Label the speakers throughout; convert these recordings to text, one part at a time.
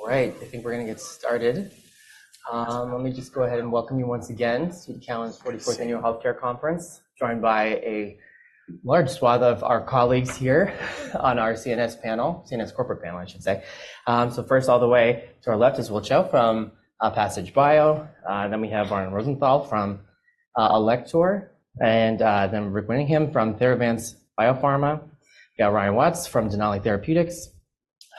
Speaker 1: All right, I think we're going to get started. Let me just go ahead and welcome you once again to the Cowen's 44th Annual Health Care Conference, joined by a large swath of our colleagues here on our CNS panel, CNS corporate panel, I should say. So first, all the way to our left is Will Chou from Passage Bio, then we have Arnon Rosenthal from Alector, and then Rick Winningham from Theravance Biopharma. We got Ryan Watts from Denali Therapeutics,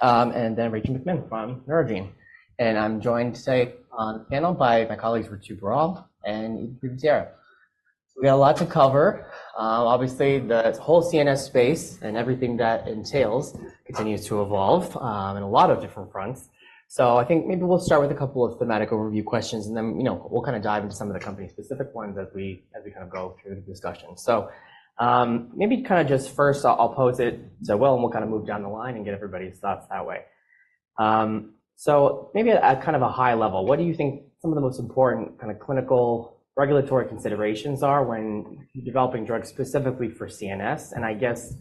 Speaker 1: and then Rachel McMinn from Neurogene. And I'm joined today on the panel by my colleagues Ritu Baral and Ruby Sierra. We got a lot to cover. Obviously, the whole CNS space and everything that entails continues to evolve in a lot of different fronts. So I think maybe we'll start with a couple of thematic overview questions, and then we'll kind of dive into some of the company-specific ones as we kind of go through the discussion. So maybe kind of just first, I'll pose it so well, and we'll kind of move down the line and get everybody's thoughts that way. So maybe at kind of a high level, what do you think some of the most important kind of clinical regulatory considerations are when developing drugs specifically for CNS? And I guess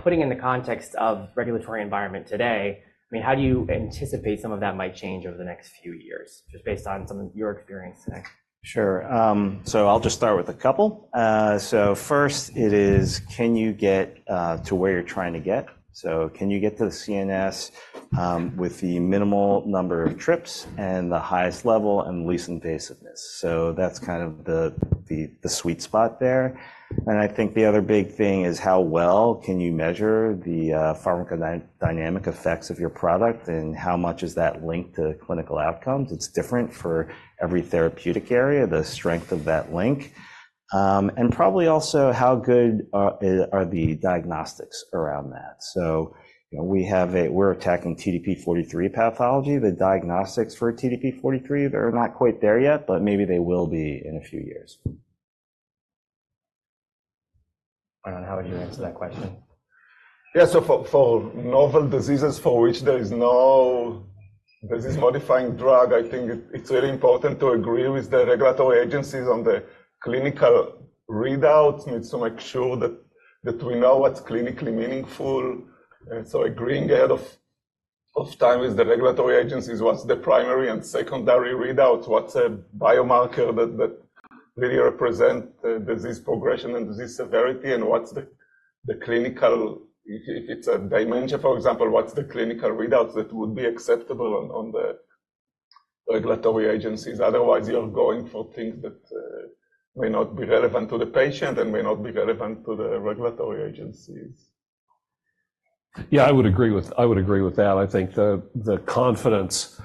Speaker 1: putting in the context of the regulatory environment today, I mean, how do you anticipate some of that might change over the next few years, just based on some of your experience today?
Speaker 2: Sure. So I'll just start with a couple. So first it is, can you get to where you're trying to get? So can you get to the CNS with the minimal number of trips and the highest level and least invasiveness? So that's kind of the sweet spot there. And I think the other big thing is how well can you measure the pharmacodynamic effects of your product, and how much is that linked to clinical outcomes? It's different for every therapeutic area, the strength of that link. And probably also, how good are the diagnostics around that? So we have a—we're attacking TDP-43 pathology. The diagnostics for TDP-43, they're not quite there yet, but maybe they will be in a few years.
Speaker 1: How would you answer that question?
Speaker 3: Yeah, so for novel diseases for which there is no disease-modifying drug, I think it's really important to agree with the regulatory agencies on the clinical readouts. We need to make sure that we know what's clinically meaningful. So agreeing ahead of time with the regulatory agencies, what's the primary and secondary readouts? What's a biomarker that really represents disease progression and disease severity? And what's the clinical, if it's a dementia, for example, what's the clinical readouts that would be acceptable on the regulatory agencies? Otherwise, you're going for things that may not be relevant to the patient and may not be relevant to the regulatory agencies.
Speaker 4: Yeah, I would agree with that. I think the confidence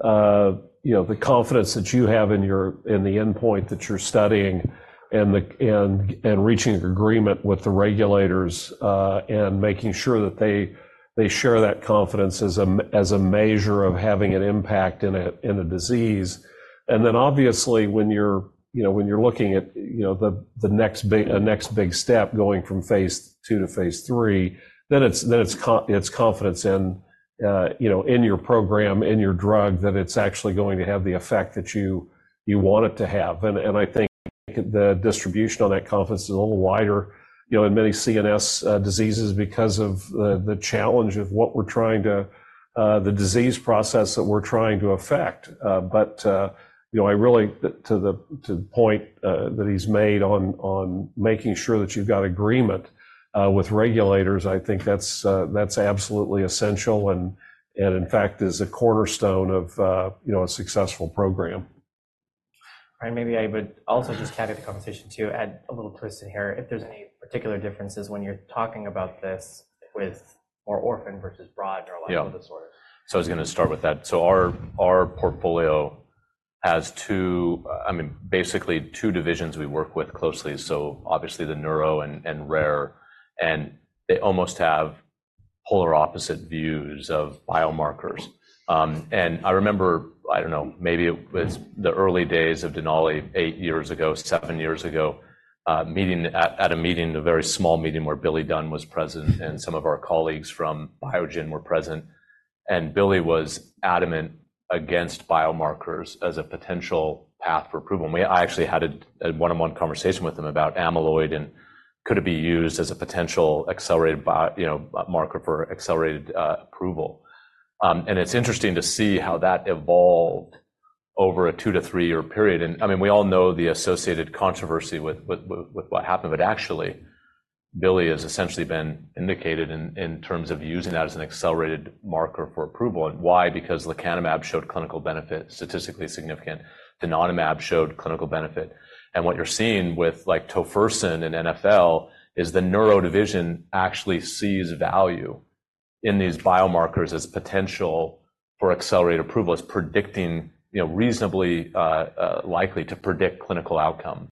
Speaker 4: that you have in the endpoint that you're studying and reaching agreement with the regulators and making sure that they share that confidence as a measure of having an impact in a disease. Then obviously, when you're looking at the next big step going from phase two to phase three, then it's confidence in your program, in your drug, that it's actually going to have the effect that you want it to have. I think the distribution on that confidence is a little wider in many CNS diseases because of the challenge of the disease process that we're trying to affect. But really, to the point that he's made on making sure that you've got agreement with regulators, I think that's absolutely essential and, in fact, is a cornerstone of a successful program.
Speaker 1: All right, maybe I would also just carry the conversation to add a little twist in here if there's any particular differences when you're talking about this with more orphan versus broad neurological disorders.
Speaker 5: Yeah. So I was going to start with that. So our portfolio has two—I mean, basically two divisions we work with closely. So obviously, the neuro and rare, and they almost have polar opposite views of biomarkers. And I remember, I don't know, maybe it was the early days of Denali 8 years ago, 7 years ago, at a very small meeting where Billy Dunn was present and some of our colleagues from Biogen were present. And Billy was adamant against biomarkers as a potential path for approval. I actually had a one-on-one conversation with him about amyloid and could it be used as a potential accelerated marker for accelerated approval. And it's interesting to see how that evolved over a 2-3-year period. And I mean, we all know the associated controversy with what happened. But actually, Billy has essentially been indicated in terms of using that as an accelerated marker for approval. And why? Because lecanemab showed clinical benefit, statistically significant. Donanemab showed clinical benefit. And what you're seeing with Tofersen and NFL is the neuro division actually sees value in these biomarkers as potential for accelerated approval, as reasonably likely to predict clinical outcomes.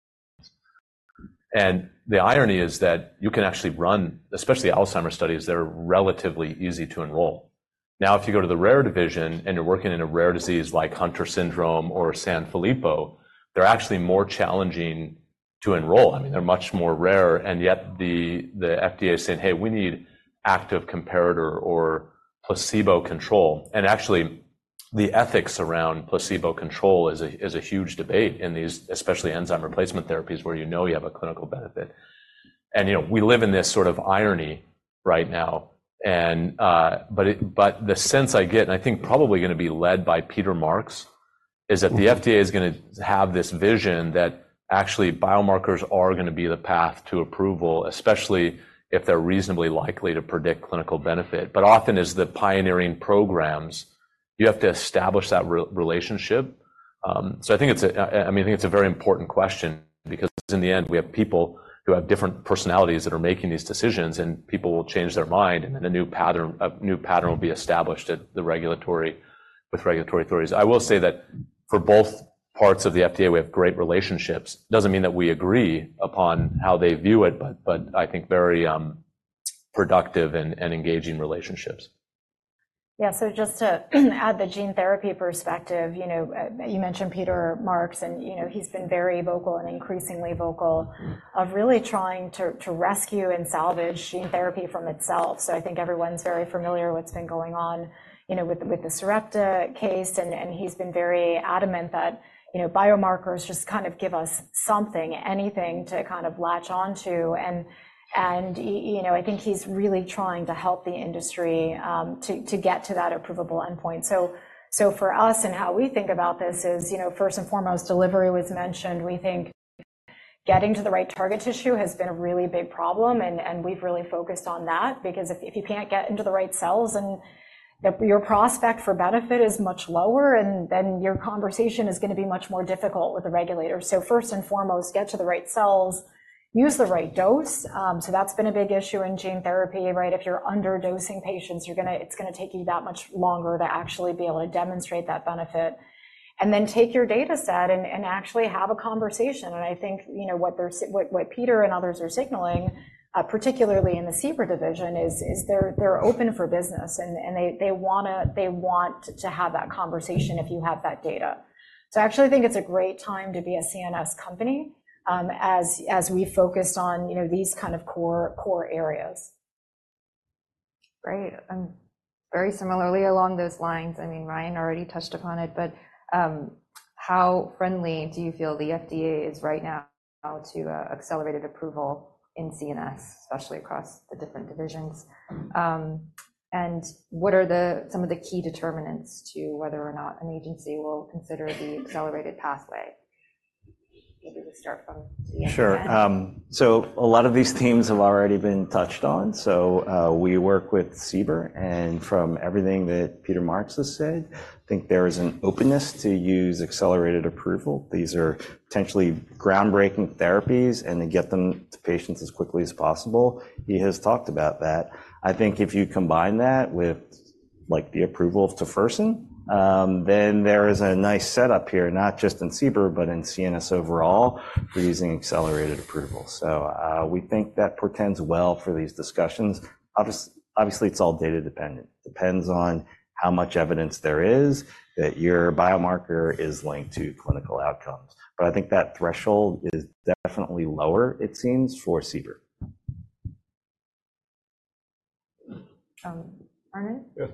Speaker 5: And the irony is that you can actually run, especially Alzheimer's studies, they're relatively easy to enroll. Now, if you go to the rare division and you're working in a rare disease like Hunter syndrome or Sanfilippo, they're actually more challenging to enroll. I mean, they're much more rare. And yet the FDA is saying, "Hey, we need active comparator or placebo control." And actually, the ethics around placebo control is a huge debate in these, especially enzyme replacement therapies, where you know you have a clinical benefit. We live in this sort of irony right now. The sense I get, and I think probably going to be led by Peter Marks, is that the FDA is going to have this vision that actually biomarkers are going to be the path to approval, especially if they're reasonably likely to predict clinical benefit. But often, as the pioneering programs, you have to establish that relationship. So I think it's a—I mean, I think it's a very important question because in the end, we have people who have different personalities that are making these decisions, and people will change their mind, and then a new pattern will be established with regulatory authorities. I will say that for both parts of the FDA, we have great relationships. It doesn't mean that we agree upon how they view it, but I think very productive and engaging relationships.
Speaker 6: Yeah, so just to add the gene therapy perspective, you mentioned Peter Marks, and he's been very vocal and increasingly vocal of really trying to rescue and salvage gene therapy from itself. So I think everyone's very familiar with what's been going on with the Sarepta case, and he's been very adamant that biomarkers just kind of give us something, anything to kind of latch onto. And I think he's really trying to help the industry to get to that approvable endpoint. So for us and how we think about this is, first and foremost, delivery was mentioned. We think getting to the right target tissue has been a really big problem, and we've really focused on that because if you can't get into the right cells and your prospect for benefit is much lower, then your conversation is going to be much more difficult with the regulators. So first and foremost, get to the right cells, use the right dose. So that's been a big issue in gene therapy, right? If you're underdosing patients, it's going to take you that much longer to actually be able to demonstrate that benefit. And then take your data set and actually have a conversation. And I think what Peter and others are signaling, particularly in the CBER division, is they're open for business, and they want to have that conversation if you have that data. So I actually think it's a great time to be a CNS company as we focus on these kind of core areas. Great. And very similarly along those lines, I mean, Ryan already touched upon it, but how friendly do you feel the FDA is right now to accelerated approval in CNS, especially across the different divisions? What are some of the key determinants to whether or not an agency will consider the accelerated pathway? Maybe we'll start from the end.
Speaker 2: Sure. So a lot of these themes have already been touched on. So we work with CBER, and from everything that Peter Marks has said, I think there is an openness to use accelerated approval. These are potentially groundbreaking therapies, and to get them to patients as quickly as possible, he has talked about that. I think if you combine that with the approval of Tofersen, then there is a nice setup here, not just in CBER, but in CNS overall for using accelerated approval. So we think that portends well for these discussions. Obviously, it's all data-dependent. It depends on how much evidence there is that your biomarker is linked to clinical outcomes. But I think that threshold is definitely lower, it seems, for CBER.
Speaker 6: Arne?
Speaker 3: Yeah,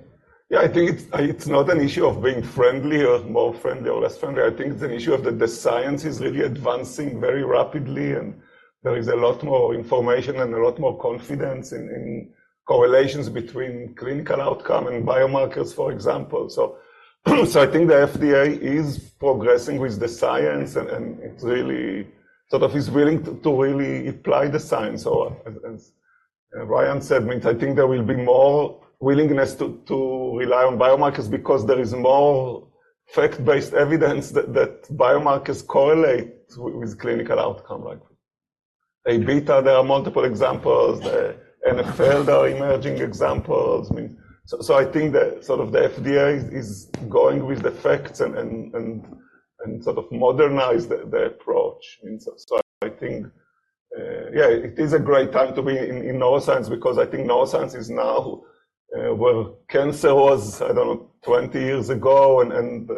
Speaker 3: I think it's not an issue of being friendly or more friendly or less friendly. I think it's an issue of the science is really advancing very rapidly, and there is a lot more information and a lot more confidence in correlations between clinical outcome and biomarkers, for example. So I think the FDA is progressing with the science, and it's really sort of willing to really apply the science. So as Ryan said, I think there will be more willingness to rely on biomarkers because there is more fact-based evidence that biomarkers correlate with clinical outcome like this. A beta, there are multiple examples. The NFL, there are emerging examples. So I think sort of the FDA is going with the facts and sort of modernized the approach. So I think, yeah, it is a great time to be in neuroscience because I think neuroscience is now where cancer was, I don't know, 20 years ago, and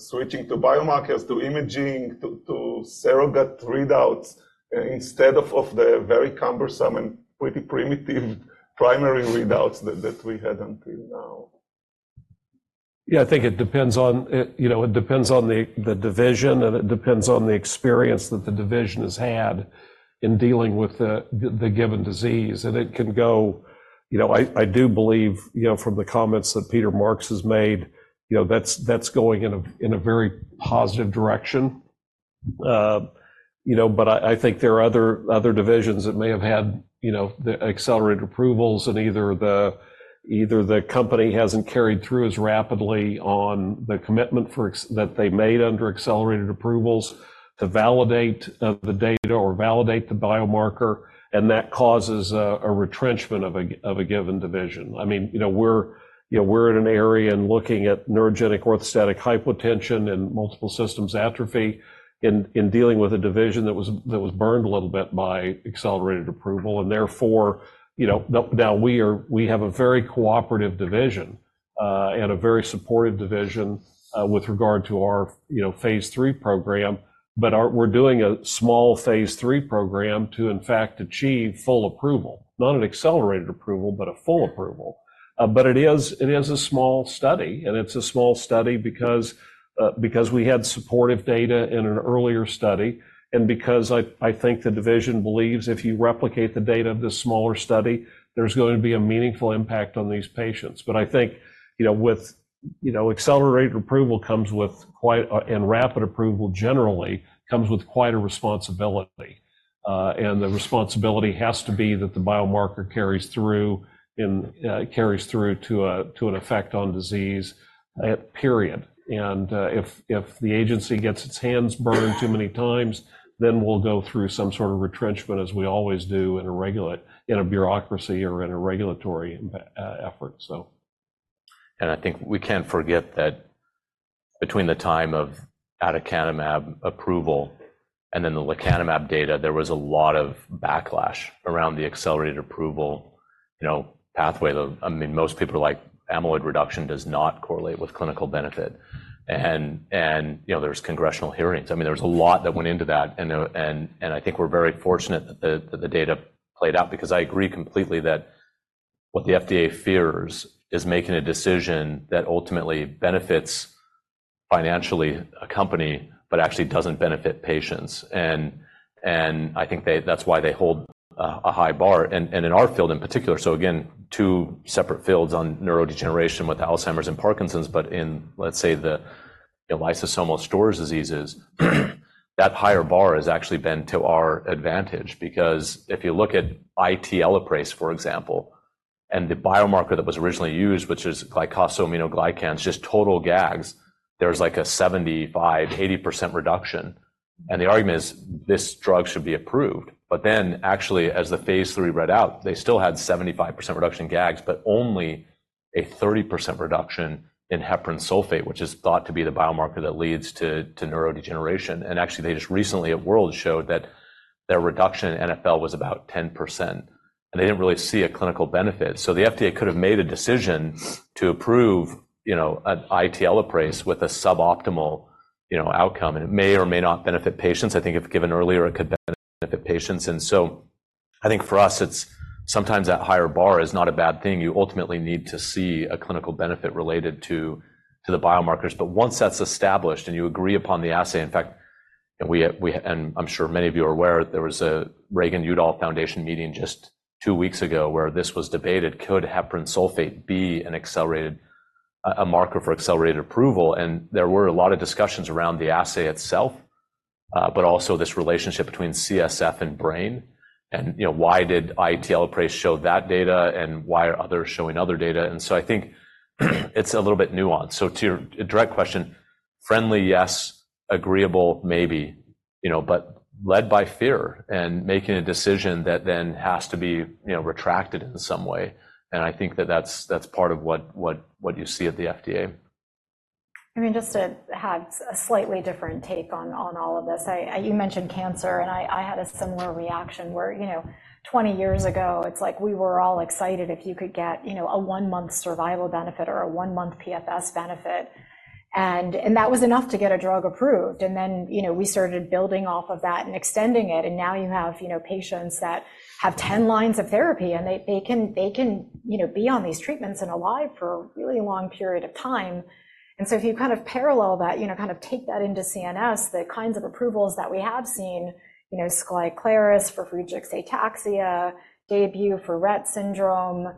Speaker 3: switching to biomarkers, to imaging, to surrogate readouts instead of the very cumbersome and pretty primitive primary readouts that we had until now.
Speaker 4: Yeah, I think it depends on the division, and it depends on the experience that the division has had in dealing with the given disease. It can go, I do believe from the comments that Peter Marks has made, that's going in a very positive direction. But I think there are other divisions that may have had accelerated approvals, and either the company hasn't carried through as rapidly on the commitment that they made under accelerated approvals to validate the data or validate the biomarker, and that causes a retrenchment of a given division. I mean, we're in an area and looking at neurogenic orthostatic hypotension and multiple system atrophy in dealing with a division that was burned a little bit by accelerated approval. Therefore, now we have a very cooperative division and a very supportive division with regard to our phase three program. But we're doing a small phase 3 program to, in fact, achieve full approval, not an accelerated approval, but a full approval. But it is a small study, and it's a small study because we had supportive data in an earlier study and because I think the division believes if you replicate the data of this smaller study, there's going to be a meaningful impact on these patients. But I think with accelerated approval comes with quite and rapid approval generally comes with quite a responsibility. And the responsibility has to be that the biomarker carries through to an effect on disease, period. And if the agency gets its hands burned too many times, then we'll go through some sort of retrenchment as we always do in a bureaucracy or in a regulatory effort, so.
Speaker 5: I think we can't forget that between the time of aducanemab approval and then the lecanemab data, there was a lot of backlash around the accelerated approval pathway. I mean, most people are like, "Amyloid reduction does not correlate with clinical benefit." There's congressional hearings. I mean, there was a lot that went into that. I think we're very fortunate that the data played out because I agree completely that what the FDA fears is making a decision that ultimately benefits financially a company but actually doesn't benefit patients. I think that's why they hold a high bar. And in our field in particular, so again, two separate fields on neurodegeneration with Alzheimer's and Parkinson's, but in, let's say, the lysosomal storage diseases, that higher bar has actually been to our advantage because if you look at Elaprase, for example, and the biomarker that was originally used, which is glycosaminoglycans, just total GAGs, there's like a 75%-80% reduction. And the argument is this drug should be approved. But then actually, as the phase 3 read out, they still had 75% reduction in GAGs, but only a 30% reduction in heparan sulfate, which is thought to be the biomarker that leads to neurodegeneration. And actually, they just recently at World showed that their reduction in NFL was about 10%, and they didn't really see a clinical benefit. The FDA could have made a decision to approve an IT Elaprase with a suboptimal outcome, and it may or may not benefit patients. I think if given earlier, it could benefit patients. So I think for us, sometimes that higher bar is not a bad thing. You ultimately need to see a clinical benefit related to the biomarkers. But once that's established and you agree upon the assay in fact, and I'm sure many of you are aware, there was a Reagan-Udall Foundation meeting just two weeks ago where this was debated: could heparan sulfate be a marker for accelerated approval? And there were a lot of discussions around the assay itself, but also this relationship between CSF and brain. And why did IT Elaprase show that data, and why are others showing other data? So I think it's a little bit nuanced. To your direct question, friendly, yes, agreeable, maybe, but led by fear and making a decision that then has to be retracted in some way. I think that that's part of what you see at the FDA.
Speaker 6: I mean, just to have a slightly different take on all of this, you mentioned cancer, and I had a similar reaction where 20 years ago, it's like we were all excited if you could get a 1-month survival benefit or a 1-month PFS benefit. And that was enough to get a drug approved. And then we started building off of that and extending it. And now you have patients that have 10 lines of therapy, and they can be on these treatments and alive for a really long period of time. And so if you kind of parallel that, kind of take that into CNS, the kinds of approvals that we have seen, Skyclarys for Friedreich's ataxia, Daybue for Rett syndrome,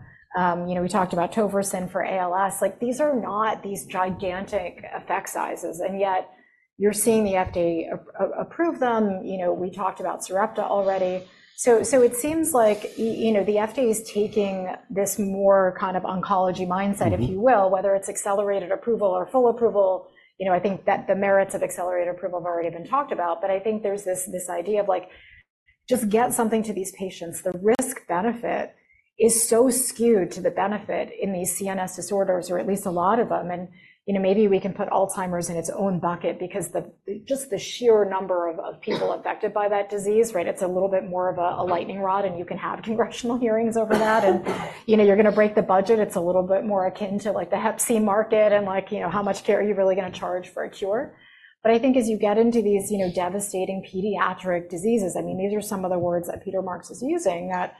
Speaker 6: we talked about Tofersen for ALS, these are not these gigantic effect sizes. And yet you're seeing the FDA approve them. We talked about Sarepta already. So it seems like the FDA is taking this more kind of oncology mindset, if you will, whether it's accelerated approval or full approval. I think that the merits of accelerated approval have already been talked about. But I think there's this idea of like, just get something to these patients. The risk-benefit is so skewed to the benefit in these CNS disorders, or at least a lot of them. And maybe we can put Alzheimer's in its own bucket because just the sheer number of people affected by that disease, right, it's a little bit more of a lightning rod, and you can have congressional hearings over that, and you're going to break the budget. It's a little bit more akin to the Hep C market and how much care are you really going to charge for a cure? But I think as you get into these devastating pediatric diseases, I mean, these are some of the words that Peter Marks is using, that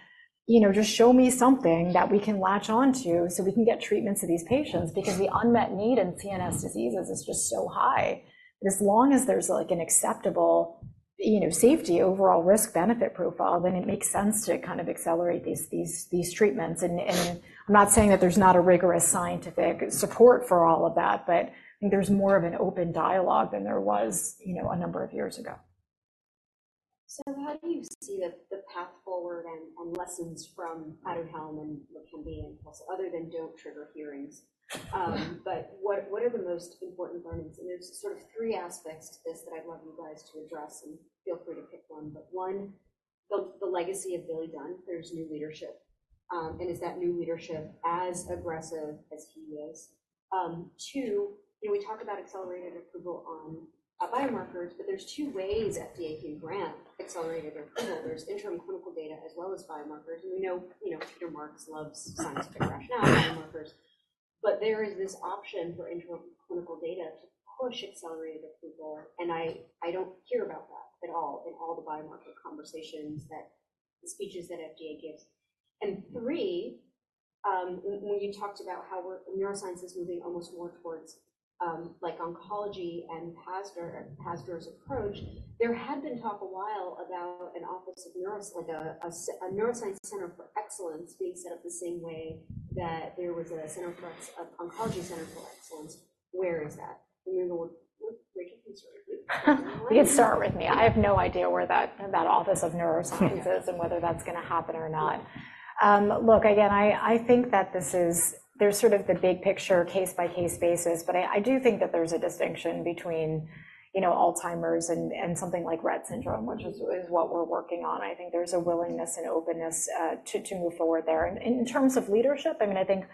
Speaker 6: just show me something that we can latch onto so we can get treatments to these patients because the unmet need in CNS diseases is just so high. But as long as there's an acceptable safety overall risk-benefit profile, then it makes sense to kind of accelerate these treatments. And I'm not saying that there's not a rigorous scientific support for all of that, but I think there's more of an open dialogue than there was a number of years ago.
Speaker 7: So how do you see the path forward and lessons from Aduhelm and lecanemab and also other than don't trigger hearings? But what are the most important learnings? And there's sort of three aspects to this that I'd love you guys to address, and feel free to pick one. But one, the legacy of Billy Dunn. There's new leadership. And is that new leadership as aggressive as he is? Two, we talk about accelerated approval on biomarkers, but there's two ways FDA can grant accelerated approval. There's interim clinical data as well as biomarkers. And we know Peter Marks loves scientific rationale biomarkers. But there is this option for interim clinical data to push accelerated approval. And I don't hear about that at all in all the biomarker conversations, the speeches that FDA gives. And three, when you talked about how neuroscience is moving almost more towards oncology and FDA's approach, there had been talk a while about an Office of Neuroscience, a Neuroscience Center for Excellence being set up the same way that there was a Center for Oncology Center for Excellence. Where is that?
Speaker 6: You can start with me. I have no idea where that Office of Neuroscience is and whether that's going to happen or not. Look, again, I think that this is sort of the big picture case-by-case basis. But I do think that there's a distinction between Alzheimer's and something like Rett syndrome, which is what we're working on. I think there's a willingness and openness to move forward there. And in terms of leadership, I mean, I think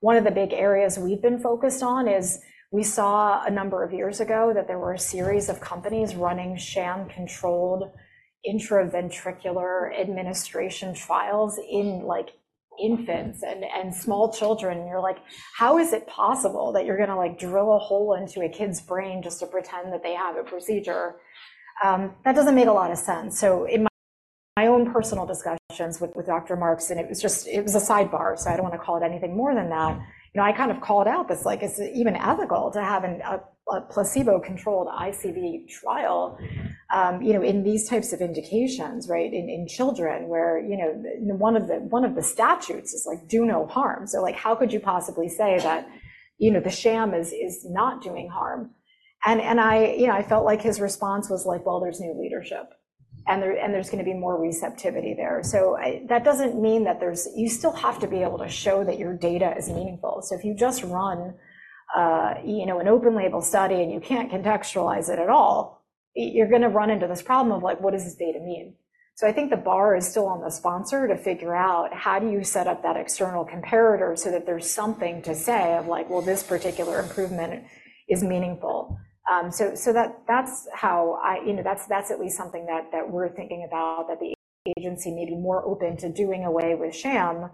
Speaker 6: one of the big areas we've been focused on is we saw a number of years ago that there were a series of companies running sham-controlled intraventricular administration trials in infants and small children. And you're like, how is it possible that you're going to drill a hole into a kid's brain just to pretend that they have a procedure? That doesn't make a lot of sense. So in my own personal discussions with Dr. Marks, and it was a sidebar, so I don't want to call it anything more than that, I kind of called out that it's even ethical to have a placebo-controlled ICV trial in these types of indications, right, in children where one of the statutes is like, "Do no harm." So how could you possibly say that the sham is not doing harm? And I felt like his response was like, "Well, there's new leadership, and there's going to be more receptivity there." So that doesn't mean that there's you still have to be able to show that your data is meaningful. So if you just run an open-label study and you can't contextualize it at all, you're going to run into this problem of like, what does this data mean? So I think the bar is still on the sponsor to figure out how do you set up that external comparator so that there's something to say of like, "Well, this particular improvement is meaningful." So that's how that's at least something that we're thinking about, that the agency may be more open to doing away with sham.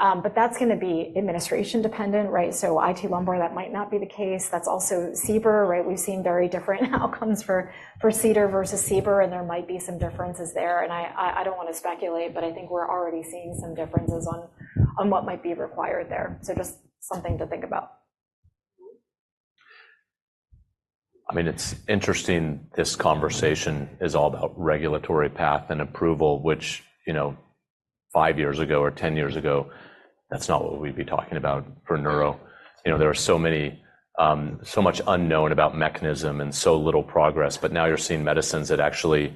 Speaker 6: But that's going to be administration-dependent, right? So IT lumbar, that might not be the case. That's also CBER, right? We've seen very different outcomes for CBER versus CDER, and there might be some differences there. And I don't want to speculate, but I think we're already seeing some differences on what might be required there. So just something to think about.
Speaker 5: I mean, it's interesting. This conversation is all about regulatory path and approval, which 5 years ago or 10 years ago, that's not what we'd be talking about for neuro. There was so much unknown about mechanism and so little progress. But now you're seeing medicines that actually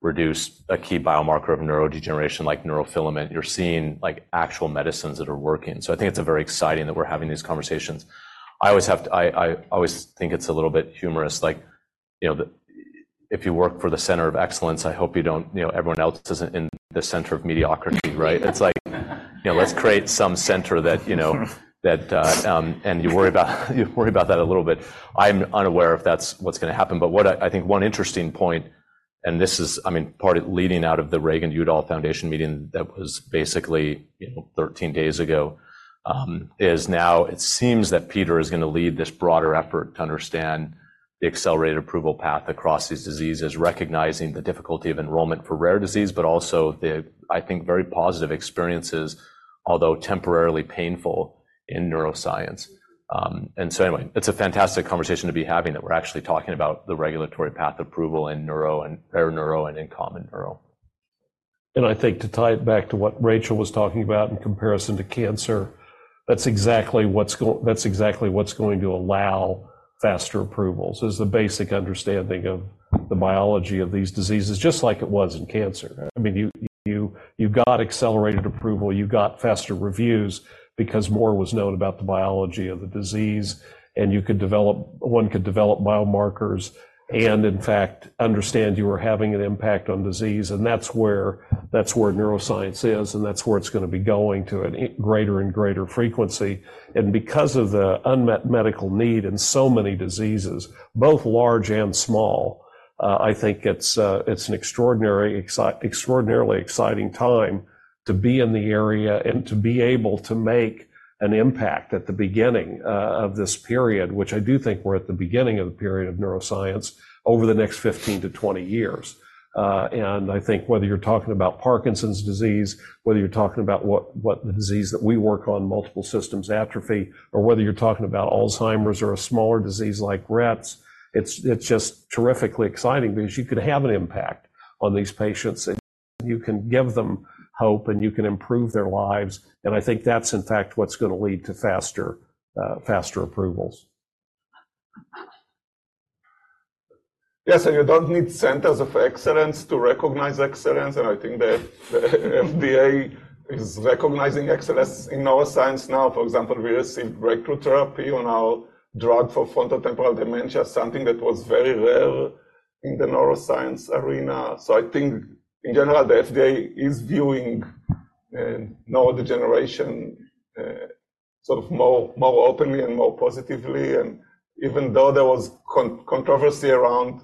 Speaker 5: reduce a key biomarker of neurodegeneration like neurofilament. You're seeing actual medicines that are working. So I think it's very exciting that we're having these conversations. I always think it's a little bit humorous. If you work for the center of excellence, I hope you don't everyone else isn't in the center of mediocrity, right? It's like, let's create some center that and you worry about that a little bit. I'm unaware of what's going to happen. But I think one interesting point, and this is, I mean, part of leading out of the Reagan-Udall Foundation meeting that was basically 13 days ago, is now it seems that Peter is going to lead this broader effort to understand the accelerated approval path across these diseases, recognizing the difficulty of enrollment for rare disease, but also the, I think, very positive experiences, although temporarily painful, in neuroscience. And so anyway, it's a fantastic conversation to be having that we're actually talking about the regulatory path approval in rare neuro and in common neuro.
Speaker 4: And I think to tie it back to what Rachel was talking about in comparison to cancer, that's exactly what's going to allow faster approvals is the basic understanding of the biology of these diseases, just like it was in cancer. I mean, you got accelerated approval. You got faster reviews because more was known about the biology of the disease. And one could develop biomarkers and, in fact, understand you were having an impact on disease. And that's where neuroscience is, and that's where it's going to be going to a greater and greater frequency. Because of the unmet medical need in so many diseases, both large and small, I think it's an extraordinarily exciting time to be in the area and to be able to make an impact at the beginning of this period, which I do think we're at the beginning of the period of neuroscience over the next 15-20 years. I think whether you're talking about Parkinson's disease, whether you're talking about the disease that we work on, multiple system atrophy, or whether you're talking about Alzheimer's or a smaller disease like Rett, it's just terrifically exciting because you could have an impact on these patients. You can give them hope, and you can improve their lives. I think that's, in fact, what's going to lead to faster approvals.
Speaker 3: Yes. And you don't need centers of excellence to recognize excellence. And I think that the FDA is recognizing excellence in neuroscience now. For example, we received breakthrough therapy on our drug for frontotemporal dementia, something that was very rare in the neuroscience arena. So I think, in general, the FDA is viewing neurodegeneration sort of more openly and more positively. And even though there was controversy around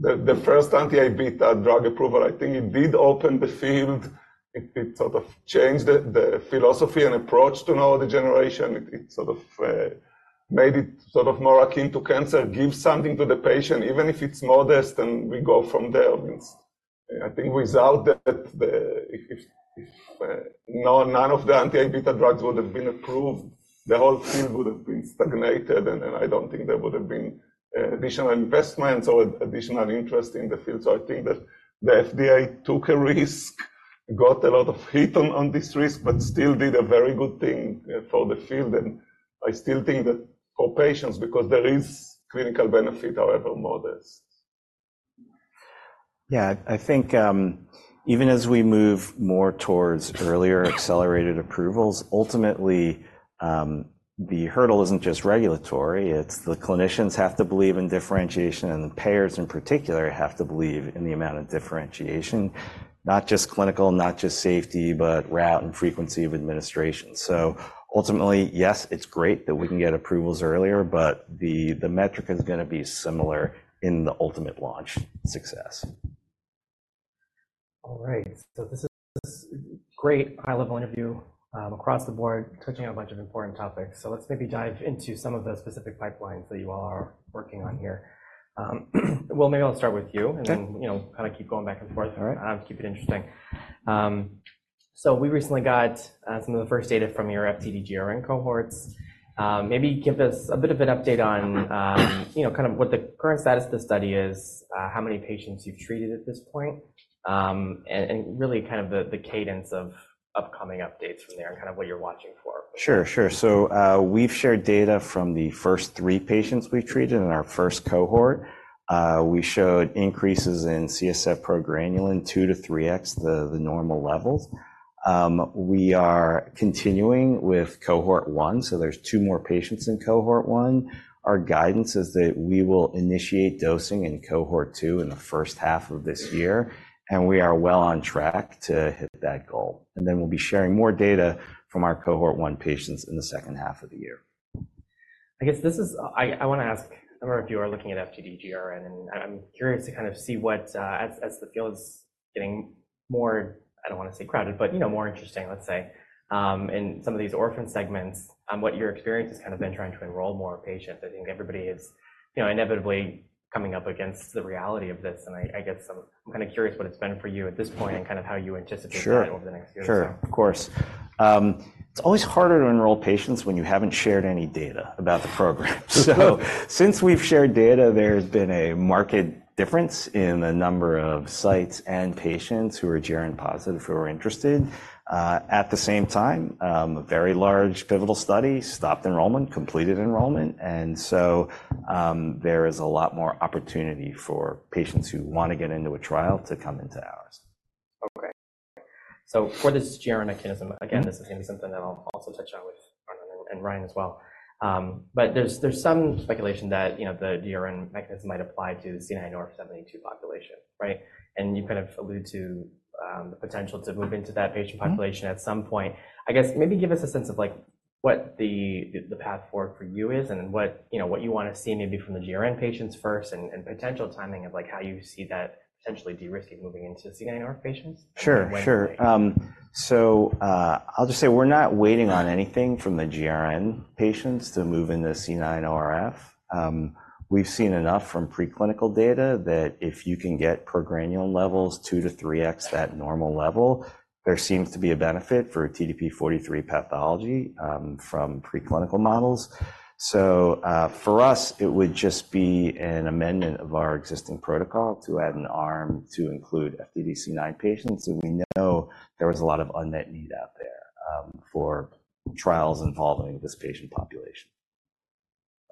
Speaker 3: the first anti-A beta drug approval, I think it did open the field. It sort of changed the philosophy and approach to neurodegeneration. It sort of made it sort of more akin to cancer, give something to the patient, even if it's modest, and we go from there. I think without that, if none of the anti-A beta drugs would have been approved, the whole field would have been stagnated. I don't think there would have been additional investments or additional interest in the field. So I think that the FDA took a risk, got a lot of heat on this risk, but still did a very good thing for the field. I still think that for patients, because there is clinical benefit, however, modest.
Speaker 5: Yeah. I think even as we move more towards earlier accelerated approvals, ultimately, the hurdle isn't just regulatory. It's the clinicians have to believe in differentiation, and the payers in particular have to believe in the amount of differentiation, not just clinical, not just safety, but route and frequency of administration. So ultimately, yes, it's great that we can get approvals earlier, but the metric is going to be similar in the ultimate launch success.
Speaker 1: All right. So this is a great high-level interview across the board, touching on a bunch of important topics. So let's maybe dive into some of the specific pipelines that you all are working on here. Well, maybe I'll start with you and then kind of keep going back and forth to keep it interesting. So we recently got some of the first data from your FTD-GRN cohorts. Maybe give us a bit of an update on kind of what the current status of the study is, how many patients you've treated at this point, and really kind of the cadence of upcoming updates from there and kind of what you're watching for.
Speaker 5: Sure. Sure. So we've shared data from the first three patients we've treated in our first cohort. We showed increases in CSF progranulin 2-3x the normal levels. We are continuing with cohort one, so there's two more patients in cohort one. Our guidance is that we will initiate dosing in cohort two in the first half of this year, and we are well on track to hit that goal. Then we'll be sharing more data from our cohort one patients in the second half of the year.
Speaker 1: I guess this is. I want to ask a number of you are looking at FTD-GRN, and I'm curious to kind of see what, as the field is getting more I don't want to say crowded, but more interesting, let's say, in some of these orphan segments, what your experience has kind of been trying to enroll more patients. I think everybody is inevitably coming up against the reality of this. I guess I'm kind of curious what it's been for you at this point and kind of how you anticipate that over the next year or so.
Speaker 5: Sure. Sure. Of course. It's always harder to enroll patients when you haven't shared any data about the program. So since we've shared data, there has been a marked difference in the number of sites and patients who are GRN positive, who are interested. At the same time, a very large, pivotal study stopped enrollment, completed enrollment. And so there is a lot more opportunity for patients who want to get into a trial to come into ours.
Speaker 1: Okay. So for this GRN mechanism, again, this is going to be something that I'll also touch on with Arnon and Ryan as well. But there's some speculation that the GRN mechanism might apply to the C9orf72 population, right? And you kind of alluded to the potential to move into that patient population at some point. I guess maybe give us a sense of what the path forward for you is and what you want to see maybe from the GRN patients first and potential timing of how you see that potentially de-risking moving into C9orf72 patients.
Speaker 5: Sure. Sure. So I'll just say we're not waiting on anything from the GRN patients to move into C9orf. We've seen enough from preclinical data that if you can get progranulin levels 2-3x, that normal level, there seems to be a benefit for TDP-43 pathology from preclinical models. So for us, it would just be an amendment of our existing protocol to add an arm to include FTD-C9 patients. And we know there was a lot of unmet need out there for trials involving this patient population.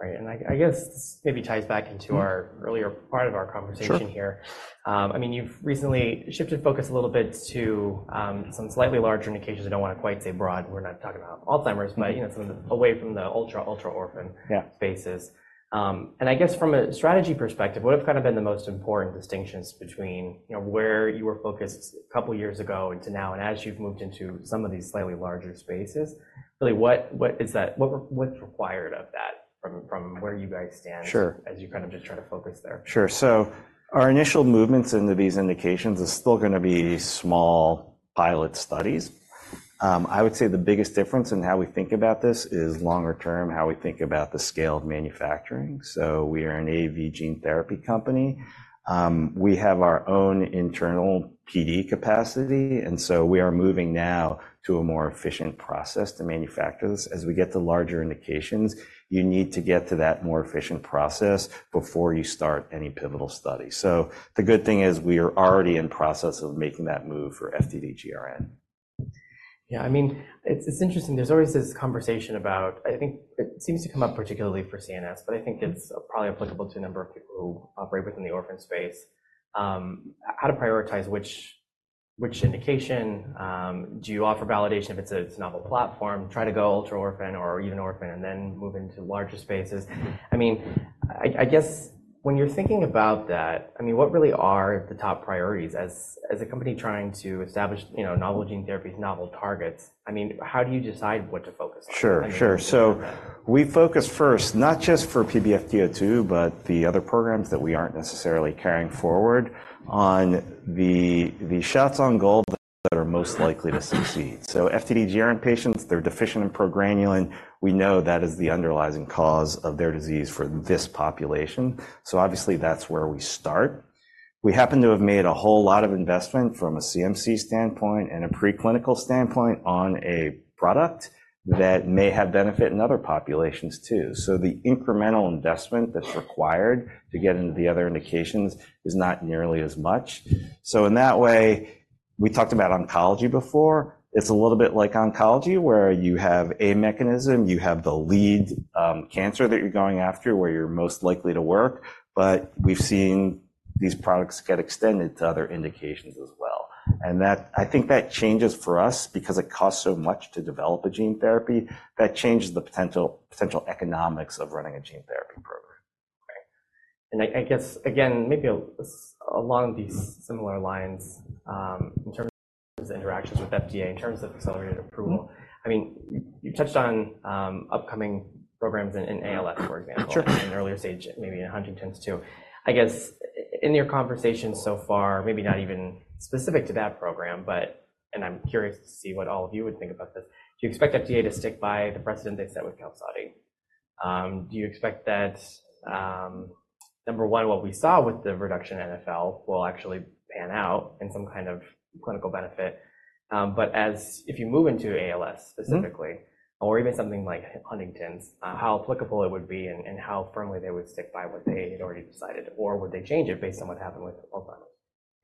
Speaker 1: Right. And I guess this maybe ties back into our earlier part of our conversation here. I mean, you've recently shifted focus a little bit to some slightly larger indications. I don't want to quite say broad. We're not talking about Alzheimer's, but away from the ultra, ultra-orphan spaces. And I guess from a strategy perspective, what have kind of been the most important distinctions between where you were focused a couple of years ago and to now and as you've moved into some of these slightly larger spaces? Really, what is that? What's required of that from where you guys stand as you kind of just try to focus there?
Speaker 5: Sure. So our initial movements into these indications are still going to be small pilot studies. I would say the biggest difference in how we think about this is longer term, how we think about the scale of manufacturing. So we are an AV gene therapy company. We have our own internal PD capacity. And so we are moving now to a more efficient process to manufacture this. As we get to larger indications, you need to get to that more efficient process before you start any pivotal study. So the good thing is we are already in process of making that move for FTD-GRN.
Speaker 1: Yeah. I mean, it's interesting. There's always this conversation about I think it seems to come up particularly for CNS, but I think it's probably applicable to a number of people who operate within the orphan space, how to prioritize which indication. Do you offer validation if it's a novel platform, try to go ultra-orphan or even orphan, and then move into larger spaces? I mean, I guess when you're thinking about that, I mean, what really are the top priorities as a company trying to establish novel gene therapies, novel targets? I mean, how do you decide what to focus on?
Speaker 5: Sure. Sure. So we focus first, not just for PBFT02, but the other programs that we aren't necessarily carrying forward, on the shots on goal that are most likely to succeed. So FTD-GRN patients, they're deficient in progranulin. We know that is the underlying cause of their disease for this population. So obviously, that's where we start. We happen to have made a whole lot of investment from a CMC standpoint and a preclinical standpoint on a product that may have benefit in other populations too. So the incremental investment that's required to get into the other indications is not nearly as much. So in that way, we talked about oncology before. It's a little bit like oncology where you have a mechanism, you have the lead cancer that you're going after where you're most likely to work. But we've seen these products get extended to other indications as well. I think that changes for us because it costs so much to develop a gene therapy. That changes the potential economics of running a gene therapy program.
Speaker 1: Okay. And I guess, again, maybe along these similar lines, in terms of interactions with FDA, in terms of accelerated approval, I mean, you touched on upcoming programs in ALS, for example, in an earlier stage, maybe in Huntington's too. I guess in your conversation so far, maybe not even specific to that program, but I'm curious to see what all of you would think about this. Do you expect FDA to stick by the precedent they set with Qalsody? Do you expect that, number one, what we saw with the reduction in NFL will actually pan out in some kind of clinical benefit? But if you move into ALS specifically, or even something like Huntington's, how applicable it would be and how firmly they would stick by what they had already decided, or would they change it based on what happened with Alzheimer's?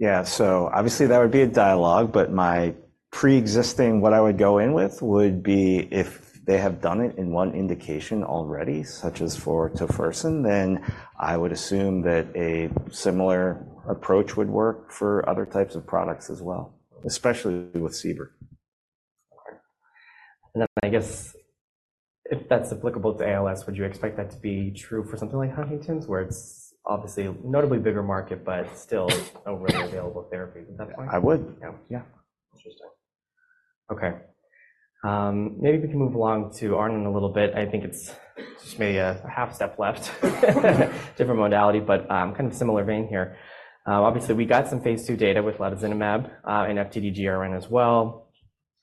Speaker 5: Yeah. So obviously, that would be a dialogue. But my preexisting, what I would go in with would be if they have done it in one indication already, such as for Tofersen, then I would assume that a similar approach would work for other types of products as well, especially with CBER.
Speaker 1: Okay. And then I guess if that's applicable to ALS, would you expect that to be true for something like Huntington's where it's obviously a notably bigger market, but still overly available therapies at that point?
Speaker 5: I would.
Speaker 1: Yeah. Interesting. Okay. Maybe we can move along to Arnon in a little bit. I think it's just maybe a half step left, different modality, but kind of similar vein here. Obviously, we got some phase 2 data with latozinemab and FTD-GRN as well,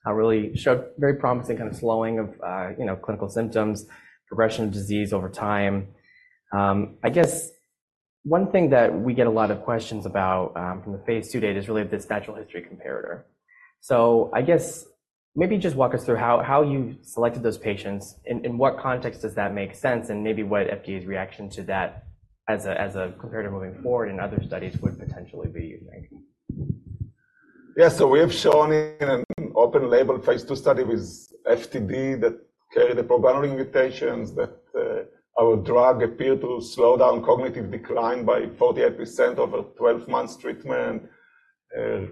Speaker 1: really showed very promising kind of slowing of clinical symptoms, progression of disease over time. I guess one thing that we get a lot of questions about from the phase 2 data is really this natural history comparator. So I guess maybe just walk us through how you selected those patients, in what context does that make sense, and maybe what FDA's reaction to that as a comparator moving forward in other studies would potentially be, you think?
Speaker 3: Yeah. So we have shown in an open-label phase 2 study with FTD that carried the progranulin mutations that our drug appeared to slow down cognitive decline by 48% over 12 months treatment,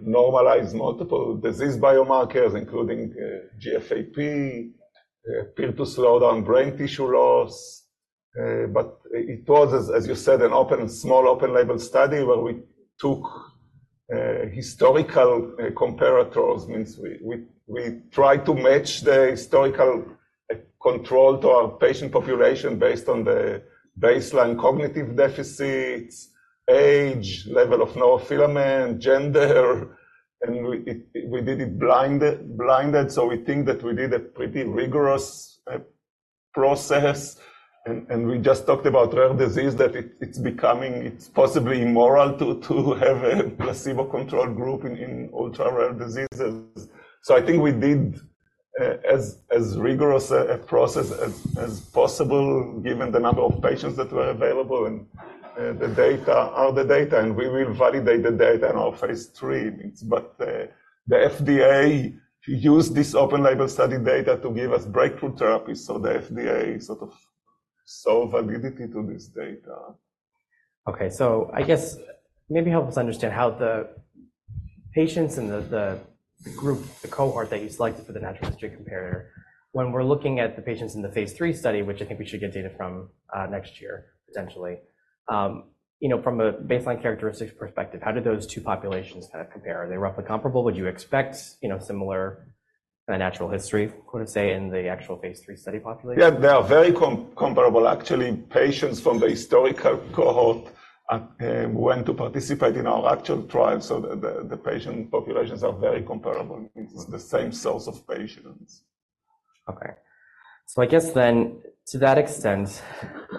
Speaker 3: normalized multiple disease biomarkers, including GFAP, appeared to slow down brain tissue loss. But it was, as you said, an open small open-label study where we took historical comparators, means we tried to match the historical control to our patient population based on the baseline cognitive deficits, age, level of neurofilament, gender. And we did it blinded. So we think that we did a pretty rigorous process. And we just talked about rare disease that it's possibly immoral to have a placebo-controlled group in ultra-rare diseases. So I think we did as rigorous a process as possible, given the number of patients that were available and the data, all the data. We will validate the data in our phase 3. The FDA used this open-label study data to give us breakthrough therapies. The FDA sort of sold validity to this data.
Speaker 1: Okay. So I guess maybe help us understand how the patients and the group, the cohort that you selected for the natural history comparator, when we're looking at the patients in the phase 3 study, which I think we should get data from next year, potentially, from a baseline characteristics perspective, how did those two populations kind of compare? Are they roughly comparable? Would you expect similar kind of natural history, quote unquote, to say, in the actual phase 3 study population?
Speaker 3: Yeah. They are very comparable, actually. Patients from the historical cohort went to participate in our actual trial. So the patient populations are very comparable. It's the same source of patients.
Speaker 1: Okay. So I guess then to that extent,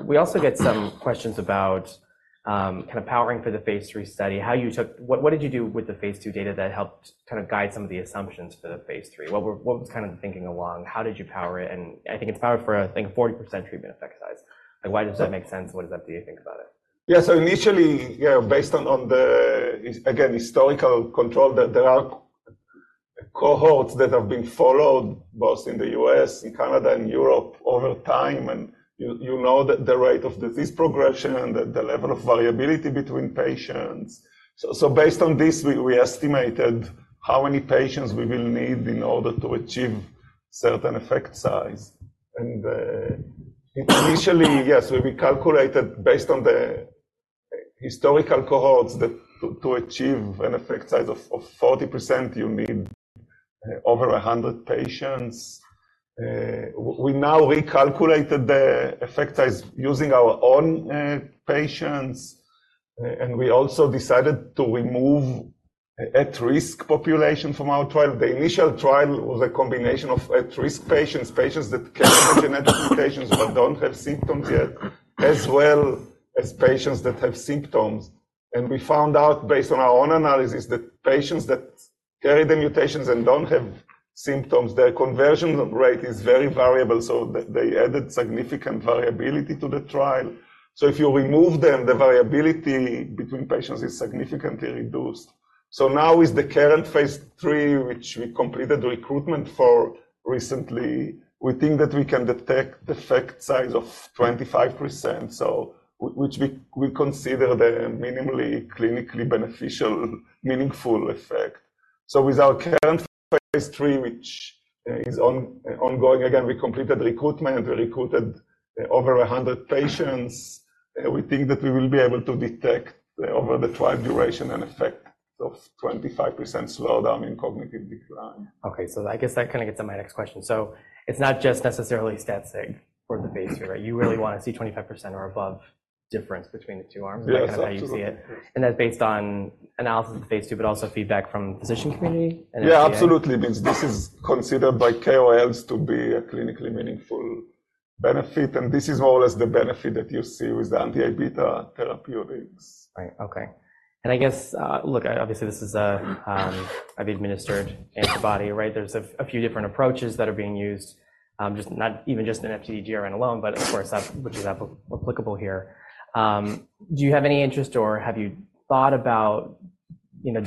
Speaker 1: we also get some questions about kind of powering for the phase 3 study, how you took what did you do with the phase 2 data that helped kind of guide some of the assumptions for the phase 3? What was kind of the thinking along? How did you power it? And I think it's powered for, I think, 40% treatment effect size. Why does that make sense? What does FDA think about it?
Speaker 3: Yeah. So initially, based on the, again, historical control, there are cohorts that have been followed both in the U.S., in Canada, and Europe over time. And you know the rate of disease progression and the level of variability between patients. So based on this, we estimated how many patients we will need in order to achieve certain effect size. And initially, yes, we calculated based on the historical cohorts that to achieve an effect size of 40%, you need over 100 patients. We now recalculated the effect size using our own patients. And we also decided to remove at-risk population from our trial. The initial trial was a combination of at-risk patients, patients that carry the genetic mutations but don't have symptoms yet, as well as patients that have symptoms. And we found out based on our own analysis that patients that carry the mutations and don't have symptoms, their conversion rate is very variable. So they added significant variability to the trial. So if you remove them, the variability between patients is significantly reduced. So now with the current phase 3, which we completed recruitment for recently, we think that we can detect effect size of 25%, which we consider the minimally clinically beneficial, meaningful effect. So with our current phase 3, which is ongoing, again, we completed recruitment. We recruited over 100 patients. We think that we will be able to detect over the trial duration an effect of 25% slowdown in cognitive decline.
Speaker 1: Okay. So I guess that kind of gets to my next question. So it's not just necessarily statistics for the phase 2, right? You really want to see 25% or above difference between the two arms? Is that kind of how you see it? And that's based on analysis of the phase 2, but also feedback from the physician community and FDA?
Speaker 3: Yeah. Absolutely. Means this is considered by KOLs to be a clinically meaningful benefit. This is more or less the benefit that you see with the anti-amyloid beta therapeutics.
Speaker 1: Right. Okay. And I guess, look, obviously, this is an IV-administered antibody, right? There's a few different approaches that are being used, even just in FTD-GRN alone, but of course, which is applicable here. Do you have any interest, or have you thought about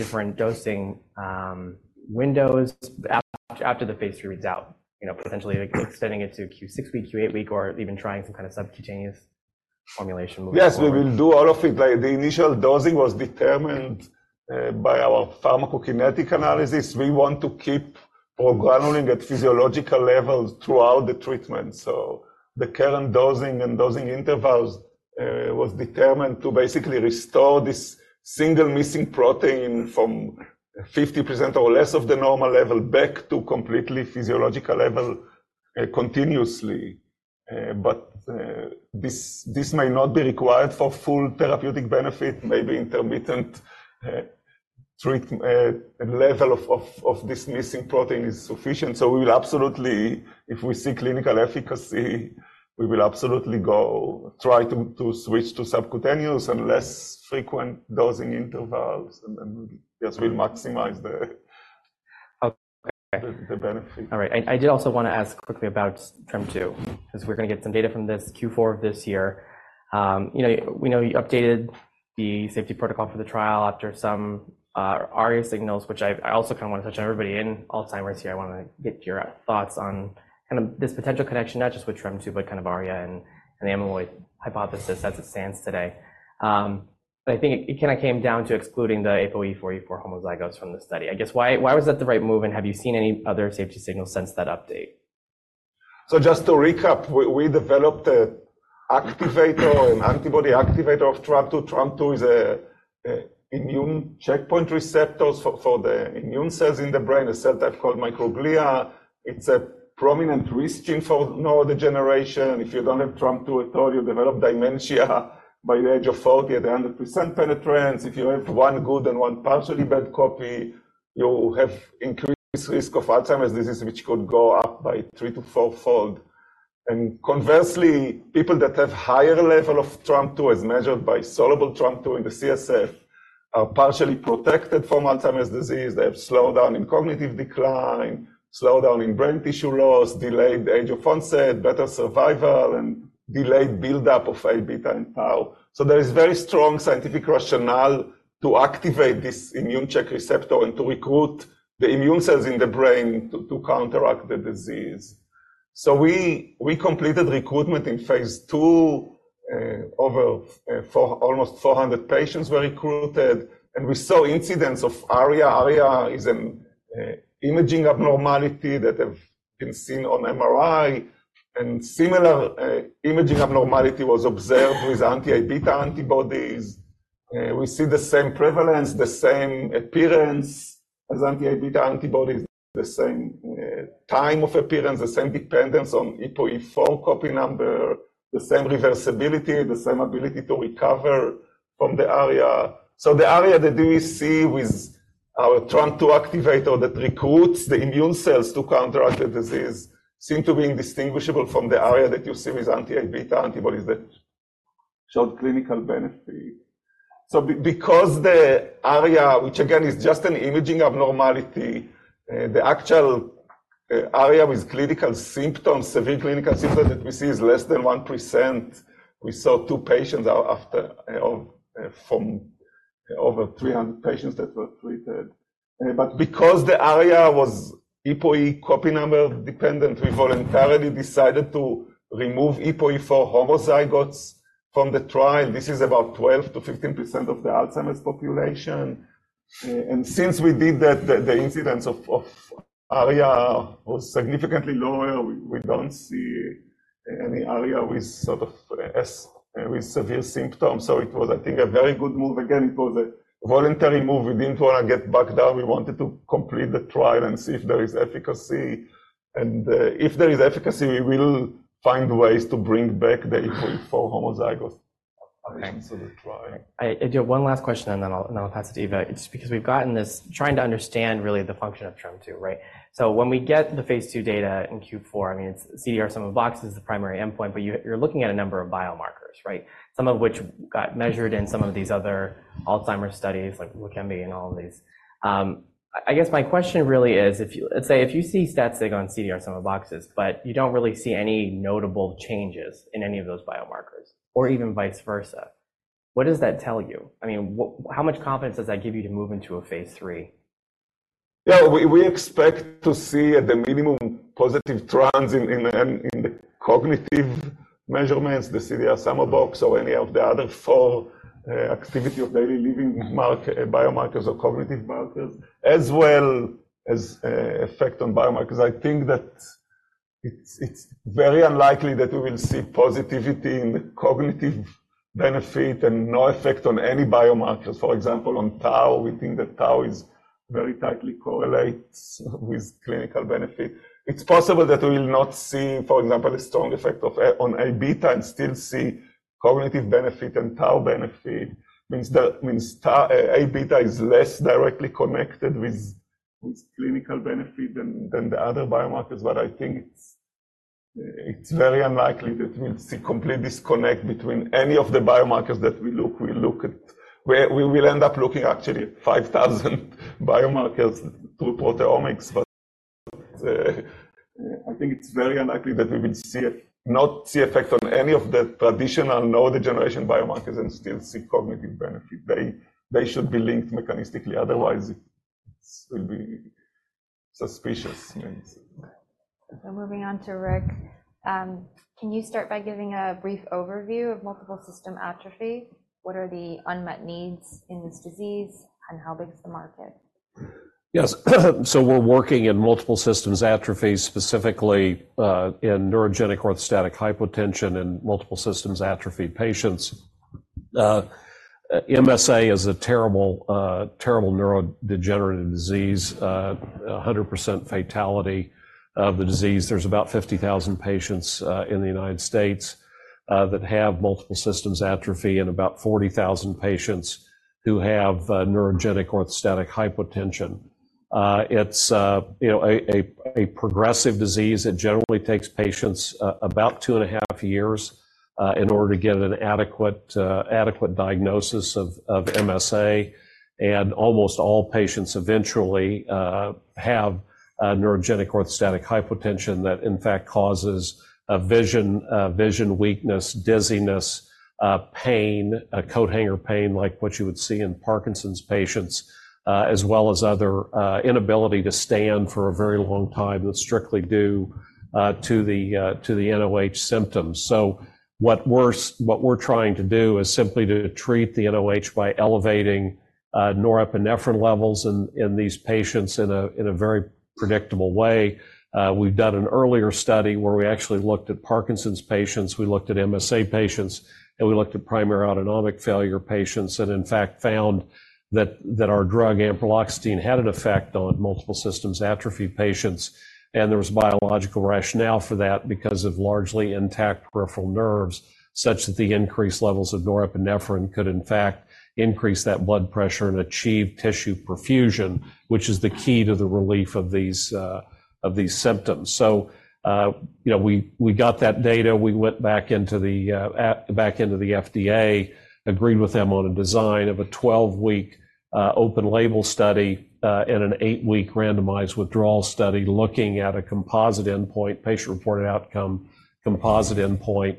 Speaker 1: different dosing windows after the phase 3 reads out, potentially extending it to q6 week, q8 week, or even trying some kind of subcutaneous formulation?
Speaker 3: Yes. We will do all of it. The initial dosing was determined by our pharmacokinetic analysis. We want to keep progranulin at physiological levels throughout the treatment. So the current dosing and dosing intervals were determined to basically restore this single missing protein from 50% or less of the normal level back to completely physiological level continuously. But this may not be required for full therapeutic benefit. Maybe intermittent level of this missing protein is sufficient. So we will absolutely, if we see clinical efficacy, we will absolutely try to switch to subcutaneous and less frequent dosing intervals. And then yes, we'll maximize the benefit.
Speaker 1: All right. I did also want to ask quickly about TREM2 because we're going to get some data from this Q4 of this year. We know you updated the safety protocol for the trial after some ARIA signals, which I also kind of want to touch on. Everybody in Alzheimer's here, I want to get your thoughts on kind of this potential connection, not just with TREM2, but kind of ARIA and the amyloid hypothesis, as it stands today. But I think it kind of came down to excluding the APOE4E4 homozygotes from the study. I guess why was that the right move? And have you seen any other safety signals since that update?
Speaker 3: So just to recap, we developed an activator and antibody activator of TREM2. TREM2 is an immune checkpoint receptor for the immune cells in the brain, a cell type called microglia. It's a prominent risk gene for neurodegeneration. If you don't have TREM2 at all, you develop dementia by the age of 40 at 100% penetrance. If you have one good and one partially bad copy, you have increased risk of Alzheimer's disease, which could go up by 3- to 4-fold. And conversely, people that have higher level of TREM2, as measured by soluble TREM2 in the CSF, are partially protected from Alzheimer's disease. They have slowdown in cognitive decline, slowdown in brain tissue loss, delayed age of onset, better survival, and delayed buildup of A beta and tau. So there is very strong scientific rationale to activate this immune check receptor and to recruit the immune cells in the brain to counteract the disease. We completed recruitment in phase 2. Almost 400 patients were recruited. We saw incidents of ARIA. ARIA is an imaging abnormality that has been seen on MRI. Similar imaging abnormality was observed with anti-amyloid beta antibodies. We see the same prevalence, the same appearance as anti-amyloid beta antibodies, the same time of appearance, the same dependence on APOE4 copy number, the same reversibility, the same ability to recover from the ARIA. So the ARIA that we see with our TREM2 activator that recruits the immune cells to counteract the disease seem to be indistinguishable from the ARIA that you see with anti-amyloid beta antibodies that showed clinical benefit. So because the ARIA, which again is just an imaging abnormality, the actual ARIA with clinical symptoms, severe clinical symptoms that we see is less than 1%. We saw 2 patients from over 300 patients that were treated. But because the ARIA was APOE copy number dependent, we voluntarily decided to remove APOE4 homozygotes from the trial. This is about 12%-15% of the Alzheimer's population. And since we did that, the incidence of ARIA was significantly lower. We don't see any ARIA with sort of severe symptoms. So it was, I think, a very good move. Again, it was a voluntary move. We didn't want to get back down. We wanted to complete the trial and see if there is efficacy. And if there is efficacy, we will find ways to bring back the APOE4 homozygotes into the trial.
Speaker 1: Edgar, one last question, and then I'll pass it to Eva. Just because we've gotten this trying to understand really the function of TREM2, right? So when we get the phase 2 data in Q4, I mean, CDR sum of boxes is the primary endpoint, but you're looking at a number of biomarkers, right, some of which got measured in some of these other Alzheimer's studies, like lecanemab and all of these. I guess my question really is, let's say if you see statistics on CDR sum of boxes, but you don't really see any notable changes in any of those biomarkers, or even vice versa, what does that tell you? I mean, how much confidence does that give you to move into a phase 3?
Speaker 3: Yeah. We expect to see at the minimum positive trends in the cognitive measurements, the CDR sum of boxes, or any of the other four activity of daily living biomarkers or cognitive markers, as well as effect on biomarkers. I think that it's very unlikely that we will see positivity in the cognitive benefit and no effect on any biomarkers. For example, on tau, we think that tau very tightly correlates with clinical benefit. It's possible that we will not see, for example, a strong effect on A beta and still see cognitive benefit and tau benefit. Means A beta is less directly connected with clinical benefit than the other biomarkers. But I think it's very unlikely that we'll see complete disconnect between any of the biomarkers that we look at. We will end up looking actually at 5,000 biomarkers through proteomics. I think it's very unlikely that we will not see effect on any of the traditional neurodegeneration biomarkers and still see cognitive benefit. They should be linked mechanistically. Otherwise, it will be suspicious.
Speaker 1: Okay. So moving on to Rick. Can you start by giving a brief overview of multiple system atrophy? What are the unmet needs in this disease, and how big is the market?
Speaker 2: Yes. So we're working in multiple system atrophy, specifically in neurogenic orthostatic hypotension and multiple system atrophy patients. MSA is a terrible, terrible neurodegenerative disease, 100% fatality of the disease. There's about 50,000 patients in the United States that have multiple system atrophy and about 40,000 patients who have neurogenic orthostatic hypotension. It's a progressive disease. It generally takes patients about 2.5 years in order to get an adequate diagnosis of MSA. And almost all patients eventually have neurogenic orthostatic hypotension that, in fact, causes vision weakness, dizziness, pain, coat hanger pain, like what you would see in Parkinson's patients, as well as other inability to stand for a very long time that's strictly due to the NOH symptoms. So what we're trying to do is simply to treat the NOH by elevating norepinephrine levels in these patients in a very predictable way. We've done an earlier study where we actually looked at Parkinson's patients. We looked at MSA patients. We looked at primary autonomic failure patients and, in fact, found that our drug Ampreloxetine had an effect on multiple system atrophy patients. There was biological rationale for that because of largely intact peripheral nerves, such that the increased levels of norepinephrine could, in fact, increase that blood pressure and achieve tissue perfusion, which is the key to the relief of these symptoms. We got that data. We went back into the FDA, agreed with them on a design of a 12-week open-label study and an 8-week randomized withdrawal study looking at a composite endpoint, patient-reported outcome, composite endpoint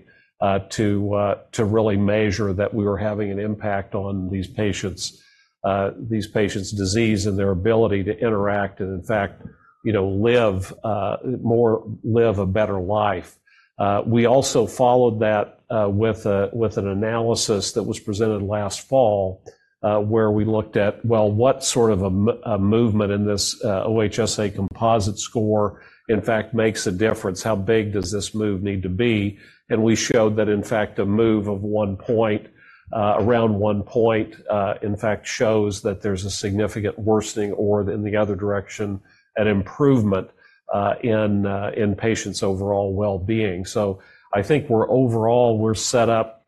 Speaker 2: to really measure that we were having an impact on these patients' disease and their ability to interact and, in fact, live a better life. We also followed that with an analysis that was presented last fall where we looked at, well, what sort of a movement in this OHSA composite score, in fact, makes a difference? How big does this move need to be? And we showed that, in fact, a move of around 1 point, in fact, shows that there's a significant worsening or, in the other direction, an improvement in patients' overall well-being. So I think overall, we're set up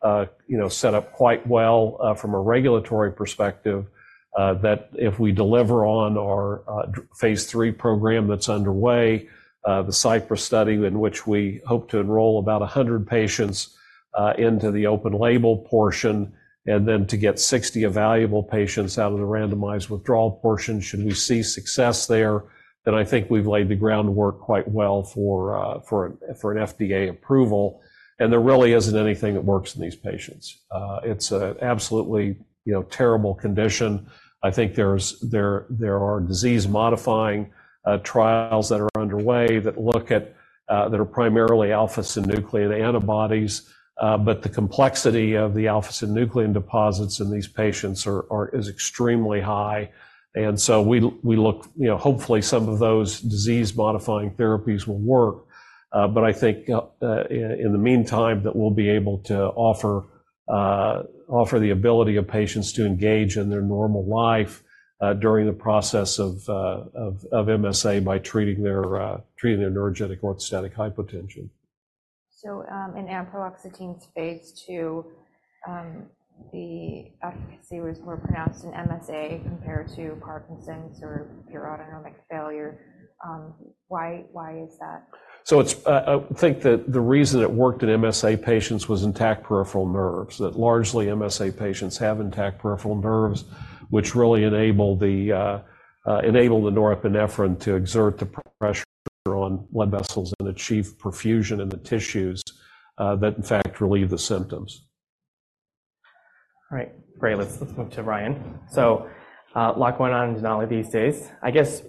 Speaker 2: quite well from a regulatory perspective that if we deliver on our phase 3 program that's underway, the Cypress study in which we hope to enroll about 100 patients into the open-label portion, and then to get 60 evaluable patients out of the randomized withdrawal portion, should we see success there, then I think we've laid the groundwork quite well for an FDA approval. There really isn't anything that works in these patients. It's an absolutely terrible condition. I think there are disease-modifying trials that are underway that are primarily alpha-synuclein antibodies. But the complexity of the alpha-synuclein deposits in these patients is extremely high. And so we look hopefully some of those disease-modifying therapies will work. But I think in the meantime, that we'll be able to offer the ability of patients to engage in their normal life during the process of MSA by treating their neurogenic orthostatic hypotension.
Speaker 1: In Ampreloxetine's phase 2, the efficacy was more pronounced in MSA compared to Parkinson's or pure autonomic failure. Why is that?
Speaker 2: So, I think that the reason it worked in MSA patients was intact peripheral nerves, that largely MSA patients have intact peripheral nerves, which really enable the norepinephrine to exert the pressure on blood vessels and achieve perfusion in the tissues that, in fact, relieve the symptoms.
Speaker 1: All right. Great. Let's move to Ryan. So a lot going on in Denali these days. I guess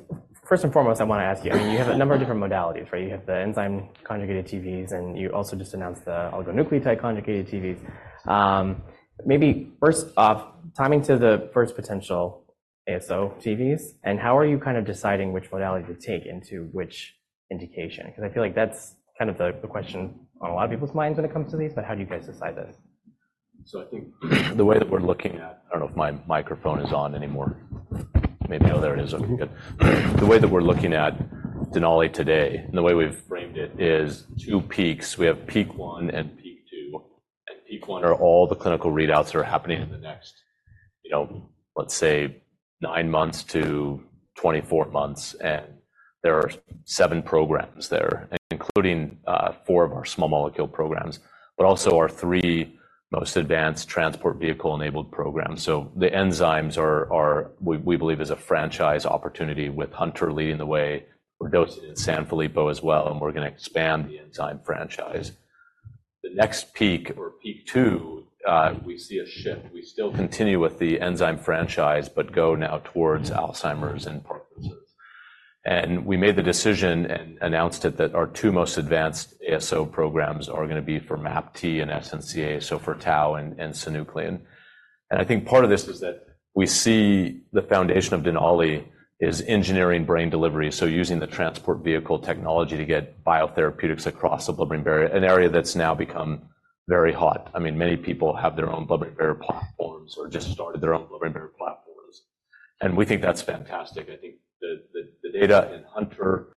Speaker 1: first and foremost, I want to ask you, I mean, you have a number of different modalities, right? You have the enzyme-conjugated TVs, and you also just announced the oligonucleotide-conjugated TVs. Maybe first off, timing to the first potential ASO TVs, and how are you kind of deciding which modality to take into which indication? Because I feel like that's kind of the question on a lot of people's minds when it comes to these. But how do you guys decide this?
Speaker 4: So I think the way that we're looking at Denali today, and the way we've framed it, is two peaks. We have peak one and peak two. Peak one includes all the clinical readouts that are happening in the next, let's say, 9-24 months. There are 7 programs there, including 4 of our small molecule programs, but also our 3 most advanced transport vehicle-enabled programs. So the enzymes are, we believe, a franchise opportunity with Hunter leading the way. We're dosing in Sanfilippo as well, and we're going to expand the enzyme franchise. The next peak, or peak two, we see a shift. We still continue with the enzyme franchise but go now towards Alzheimer's and Parkinson's. We made the decision and announced it that our two most advanced ASO programs are going to be for MAPT and SNCA, so for tau and synuclein. I think part of this is that we see the foundation of Denali is engineering brain delivery, so using the transport vehicle technology to get biotherapeutics across the blood-brain barrier, an area that's now become very hot. I mean, many people have their own blood-brain barrier platforms or just started their own blood-brain barrier platforms. We think that's fantastic. I think the data in Hunter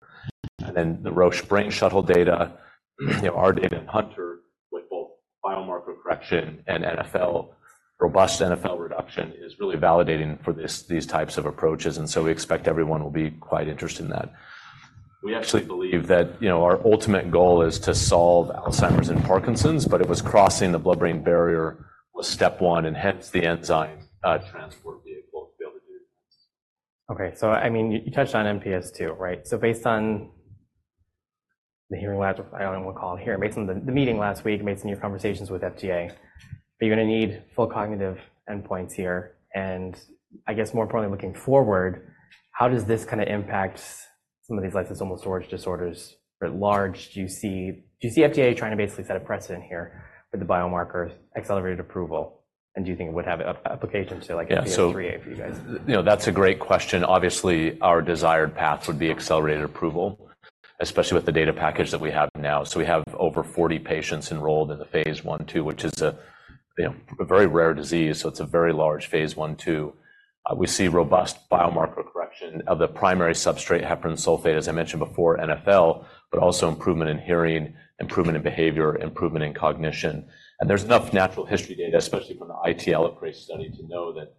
Speaker 4: and then the Roche brain shuttle data, our data in Hunter with both biomarker correction and robust NFL reduction is really validating for these types of approaches. We expect everyone will be quite interested in that. We actually believe that our ultimate goal is to solve Alzheimer's and Parkinson's, but it was crossing the blood-brain barrier was step one, and hence the enzyme transport vehicle to be able to do that.
Speaker 1: Okay. So I mean, you touched on MPS too, right? So based on the hearing labs I don't even want to call them here, based on the meeting last week, based on your conversations with FDA, but you're going to need full cognitive endpoints here. And I guess more importantly, looking forward, how does this kind of impact some of these lysosomal storage disorders at large? Do you see FDA trying to basically set a precedent here with the biomarkers accelerated approval? And do you think it would have application to like FDA 3A for you guys?
Speaker 4: Yeah. So that's a great question. Obviously, our desired path would be accelerated approval, especially with the data package that we have now. So we have over 40 patients enrolled in the phase 1/2, which is a very rare disease. So it's a very large phase 1/2. We see robust biomarker correction of the primary substrate, heparan sulfate, as I mentioned before, NFL, but also improvement in hearing, improvement in behavior, improvement in cognition. And there's enough natural history data, especially from the intrathecal Elaprase study, to know that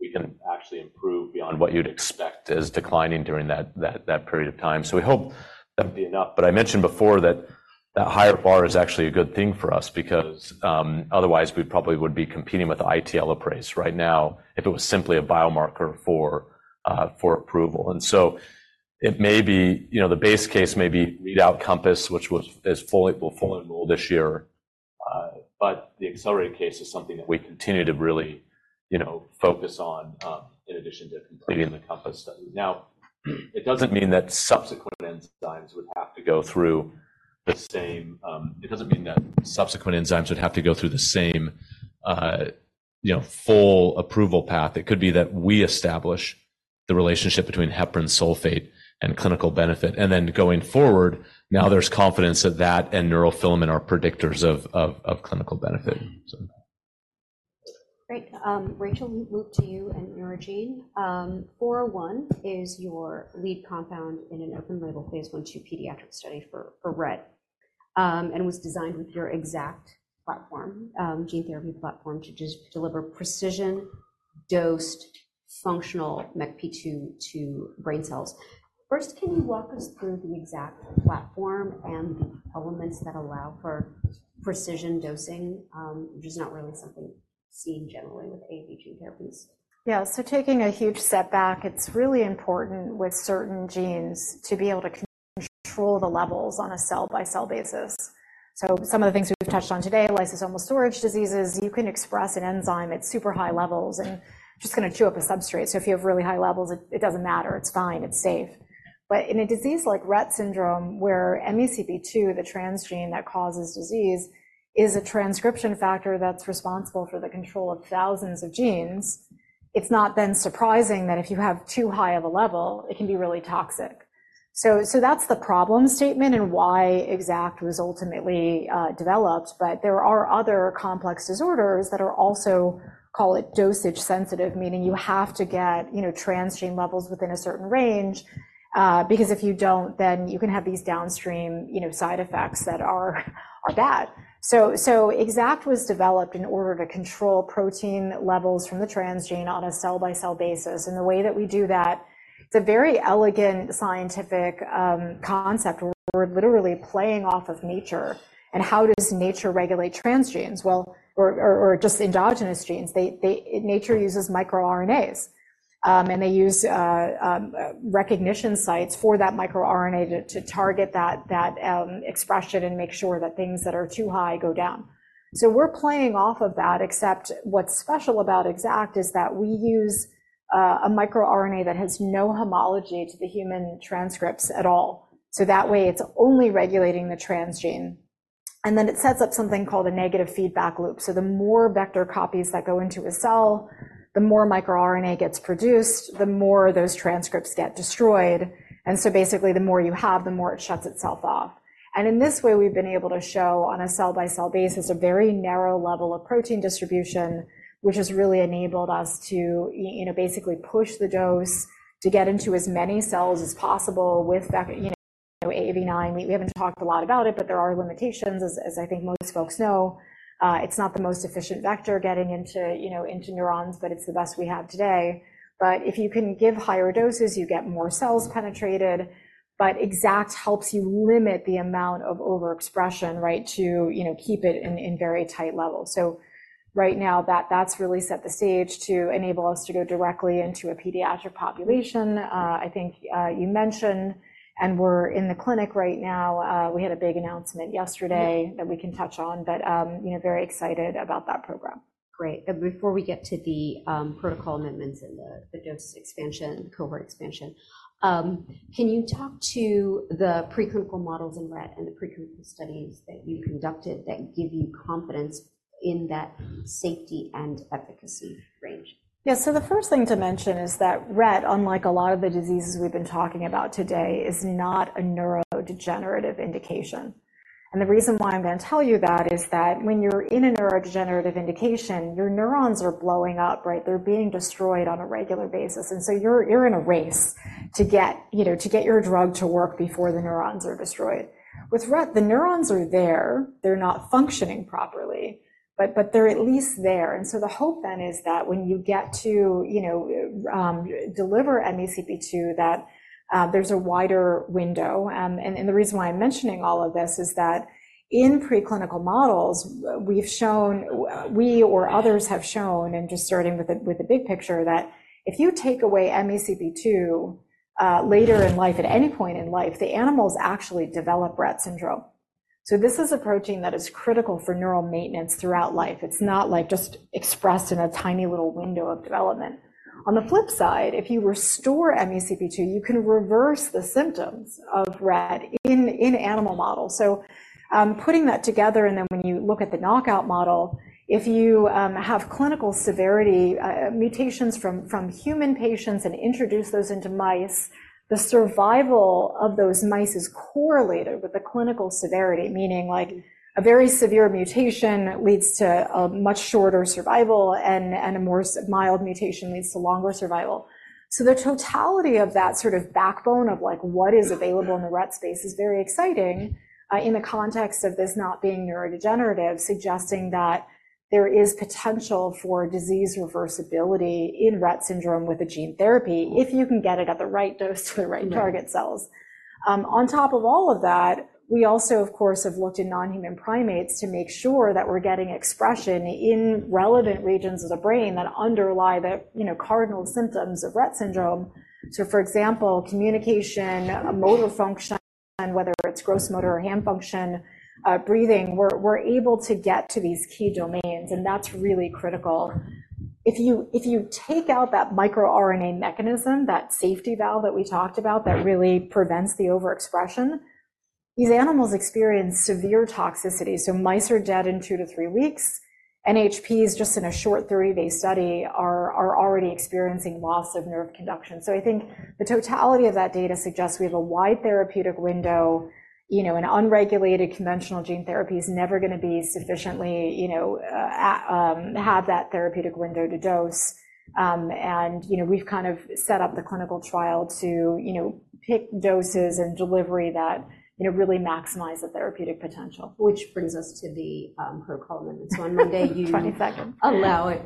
Speaker 4: we can actually improve beyond what you'd expect as declining during that period of time. So we hope that would be enough. But I mentioned before that that higher bar is actually a good thing for us because otherwise, we probably would be competing with the intrathecal Elaprase right now if it was simply a biomarker for approval. And so it may be the base case may be readout Compass, which will fully enroll this year. But the accelerated case is something that we continue to really focus on in addition to completing the Compass study. Now, it doesn't mean that subsequent enzymes would have to go through the same full approval path. It could be that we establish the relationship between heparan sulfate and clinical benefit. And then going forward, now there's confidence that that and neurofilament are predictors of clinical benefit, so.
Speaker 1: Great. Rachel, we'll move to you and your NGN-401 is your lead compound in an open-label phase 1/2 pediatric study for Rett and was designed with your EXACT gene therapy platform to deliver precision-dosed, functional MECP2 to brain cells. First, can you walk us through the EXACT platform and the elements that allow for precision dosing, which is not really something seen generally with AAV gene therapies?
Speaker 6: Yeah. So taking a huge step back, it's really important with certain genes to be able to control the levels on a cell-by-cell basis. So some of the things we've touched on today, lysosomal storage diseases, you can express an enzyme at super high levels and just going to chew up a substrate. So if you have really high levels, it doesn't matter. It's fine. It's safe. But in a disease like Rett syndrome, where MECP2, the transgene that causes disease, is a transcription factor that's responsible for the control of thousands of genes, it's not then surprising that if you have too high of a level, it can be really toxic. So that's the problem statement and why EXACT was ultimately developed. But there are other complex disorders that are also call it dosage-sensitive, meaning you have to get transgene levels within a certain range. Because if you don't, then you can have these downstream side effects that are bad. So EXACT was developed in order to control protein levels from the transgene on a cell-by-cell basis. And the way that we do that, it's a very elegant scientific concept. We're literally playing off of nature. And how does nature regulate transgenes? Well, or just endogenous genes, nature uses microRNAs. And they use recognition sites for that microRNA to target that expression and make sure that things that are too high go down. So we're playing off of that, except what's special about EXACT is that we use a microRNA that has no homology to the human transcripts at all. So that way, it's only regulating the transgene. And then it sets up something called a negative feedback loop. So the more vector copies that go into a cell, the more microRNA gets produced, the more those transcripts get destroyed. And so basically, the more you have, the more it shuts itself off. And in this way, we've been able to show on a cell-by-cell basis a very narrow level of protein distribution, which has really enabled us to basically push the dose to get into as many cells as possible with AAV9. We haven't talked a lot about it, but there are limitations, as I think most folks know. It's not the most efficient vector getting into neurons, but it's the best we have today. But if you can give higher doses, you get more cells penetrated. But exact helps you limit the amount of overexpression, right, to keep it in very tight levels. Right now, that's really set the stage to enable us to go directly into a pediatric population, I think you mentioned. We're in the clinic right now. We had a big announcement yesterday that we can touch on, but very excited about that program.
Speaker 1: Great. Before we get to the protocol amendments and the dose expansion, cohort expansion, can you talk to the preclinical models in Rett and the preclinical studies that you conducted that give you confidence in that safety and efficacy range?
Speaker 6: Yeah. So the first thing to mention is that Rett, unlike a lot of the diseases we've been talking about today, is not a neurodegenerative indication. And the reason why I'm going to tell you that is that when you're in a neurodegenerative indication, your neurons are blowing up, right? They're being destroyed on a regular basis. And so you're in a race to get your drug to work before the neurons are destroyed. With Rett, the neurons are there. They're not functioning properly, but they're at least there. And so the hope then is that when you get to deliver MECP2, that there's a wider window. The reason why I'm mentioning all of this is that in preclinical models, we or others have shown, and just starting with the big picture, that if you take away MECP2 later in life, at any point in life, the animals actually develop Rett syndrome. This is a protein that is critical for neural maintenance throughout life. It's not just expressed in a tiny little window of development. On the flip side, if you restore MECP2, you can reverse the symptoms of Rett in animal models. Putting that together, and then when you look at the knockout model, if you have clinical severity mutations from human patients and introduce those into mice, the survival of those mice is correlated with the clinical severity, meaning a very severe mutation leads to a much shorter survival, and a more mild mutation leads to longer survival. So the totality of that sort of backbone of what is available in the Rett space is very exciting in the context of this not being neurodegenerative, suggesting that there is potential for disease reversibility in Rett syndrome with a gene therapy if you can get it at the right dose to the right target cells. On top of all of that, we also, of course, have looked in non-human primates to make sure that we're getting expression in relevant regions of the brain that underlie the cardinal symptoms of Rett syndrome. So, for example, communication, motor function, whether it's gross motor or hand function, breathing, we're able to get to these key domains, and that's really critical. If you take out that microRNA mechanism, that safety valve that we talked about that really prevents the overexpression, these animals experience severe toxicity. So mice are dead in 2-3 weeks. NHPs, just in a short 3-day study, are already experiencing loss of nerve conduction. So I think the totality of that data suggests we have a wide therapeutic window. An unregulated conventional gene therapy is never going to have that therapeutic window to dose. We've kind of set up the clinical trial to pick doses and delivery that really maximize the therapeutic potential.
Speaker 1: Which brings us to the protocol amendments. So on Monday, you allow it.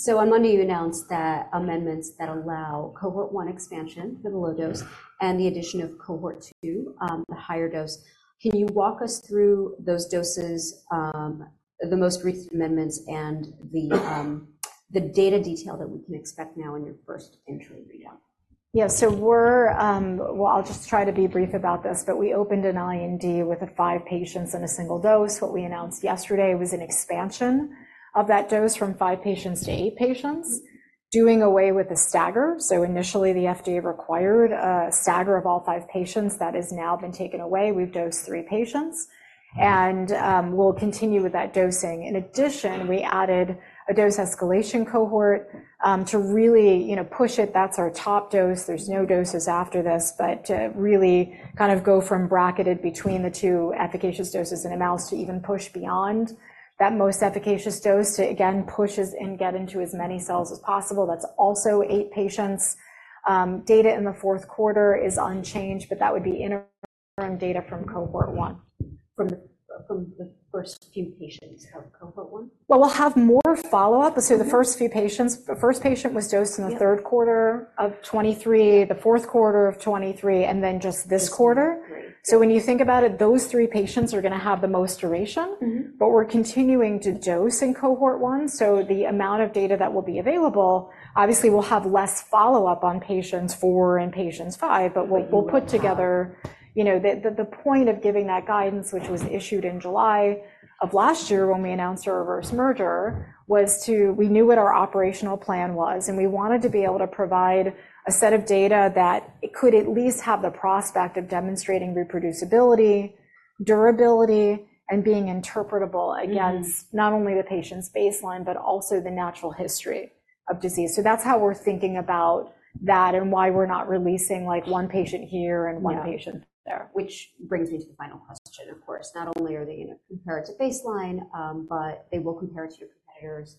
Speaker 1: So on Monday, you announced amendments that allow cohort one expansion for the low dose and the addition of cohort two, the higher dose. Can you walk us through those doses, the most recent amendments, and the data detail that we can expect now in your first entry readout?
Speaker 6: Yeah. I'll just try to be brief about this. We opened an IND with 5 patients in a single dose. What we announced yesterday was an expansion of that dose from 5 patients to 8 patients, doing away with the stagger. Initially, the FDA required a stagger of all 5 patients. That has now been taken away. We've dosed 3 patients, and we'll continue with that dosing. In addition, we added a dose escalation cohort to really push it. That's our top dose. There's no doses after this, but to really kind of go from bracketed between the two efficacious doses in a mouse to even push beyond that most efficacious dose to, again, push and get into as many cells as possible. That's also 8 patients. Data in the fourth quarter is unchanged, but that would be interim data from cohort one, from the first few patients of cohort one. Well, we'll have more follow-up. So the first few patients, the first patient was dosed in the third quarter of 2023, the fourth quarter of 2023, and then just this quarter. So when you think about it, those 3 patients are going to have the most duration. But we're continuing to dose in cohort one. So the amount of data that will be available, obviously, we'll have less follow-up on patients 4 and patients 5. But we'll put together the point of giving that guidance, which was issued in July of last year when we announced our reverse merger, was to we knew what our operational plan was, and we wanted to be able to provide a set of data that could at least have the prospect of demonstrating reproducibility, durability, and being interpretable against not only the patient's baseline but also the natural history of disease. So that's how we're thinking about that and why we're not releasing one patient here and one patient there.
Speaker 1: Which brings me to the final question, of course. Not only are they going to compare it to baseline, but they will compare it to your competitors,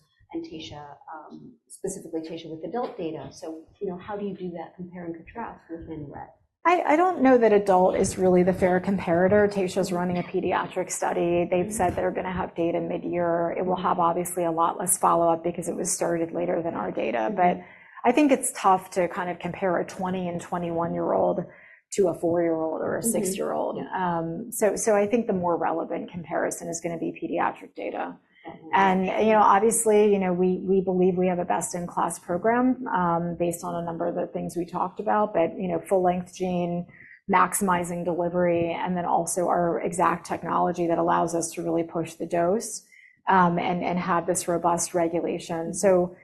Speaker 1: specifically Taysha with adult data. So how do you do that compare and contrast within Rett?
Speaker 6: I don't know that adult is really the fair comparator. Taysha's running a pediatric study. They've said they're going to have data mid-year. It will have, obviously, a lot less follow-up because it was started later than our data. But I think it's tough to kind of compare a 20- and 21-year-old to a four-year-old or a six-year-old. So I think the more relevant comparison is going to be pediatric data. And obviously, we believe we have a best-in-class program based on a number of the things we talked about, but full-length gene, maximizing delivery, and then also our EXACT technology that allows us to really push the dose and have this robust regulation. So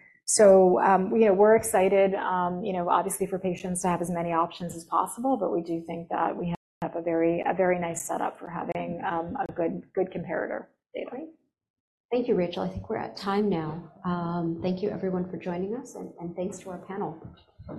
Speaker 6: we're excited, obviously, for patients to have as many options as possible. But we do think that we have a very nice setup for having a good comparator data.
Speaker 1: Great. Thank you, Rachel. I think we're at time now. Thank you, everyone, for joining us, and thanks to our panel.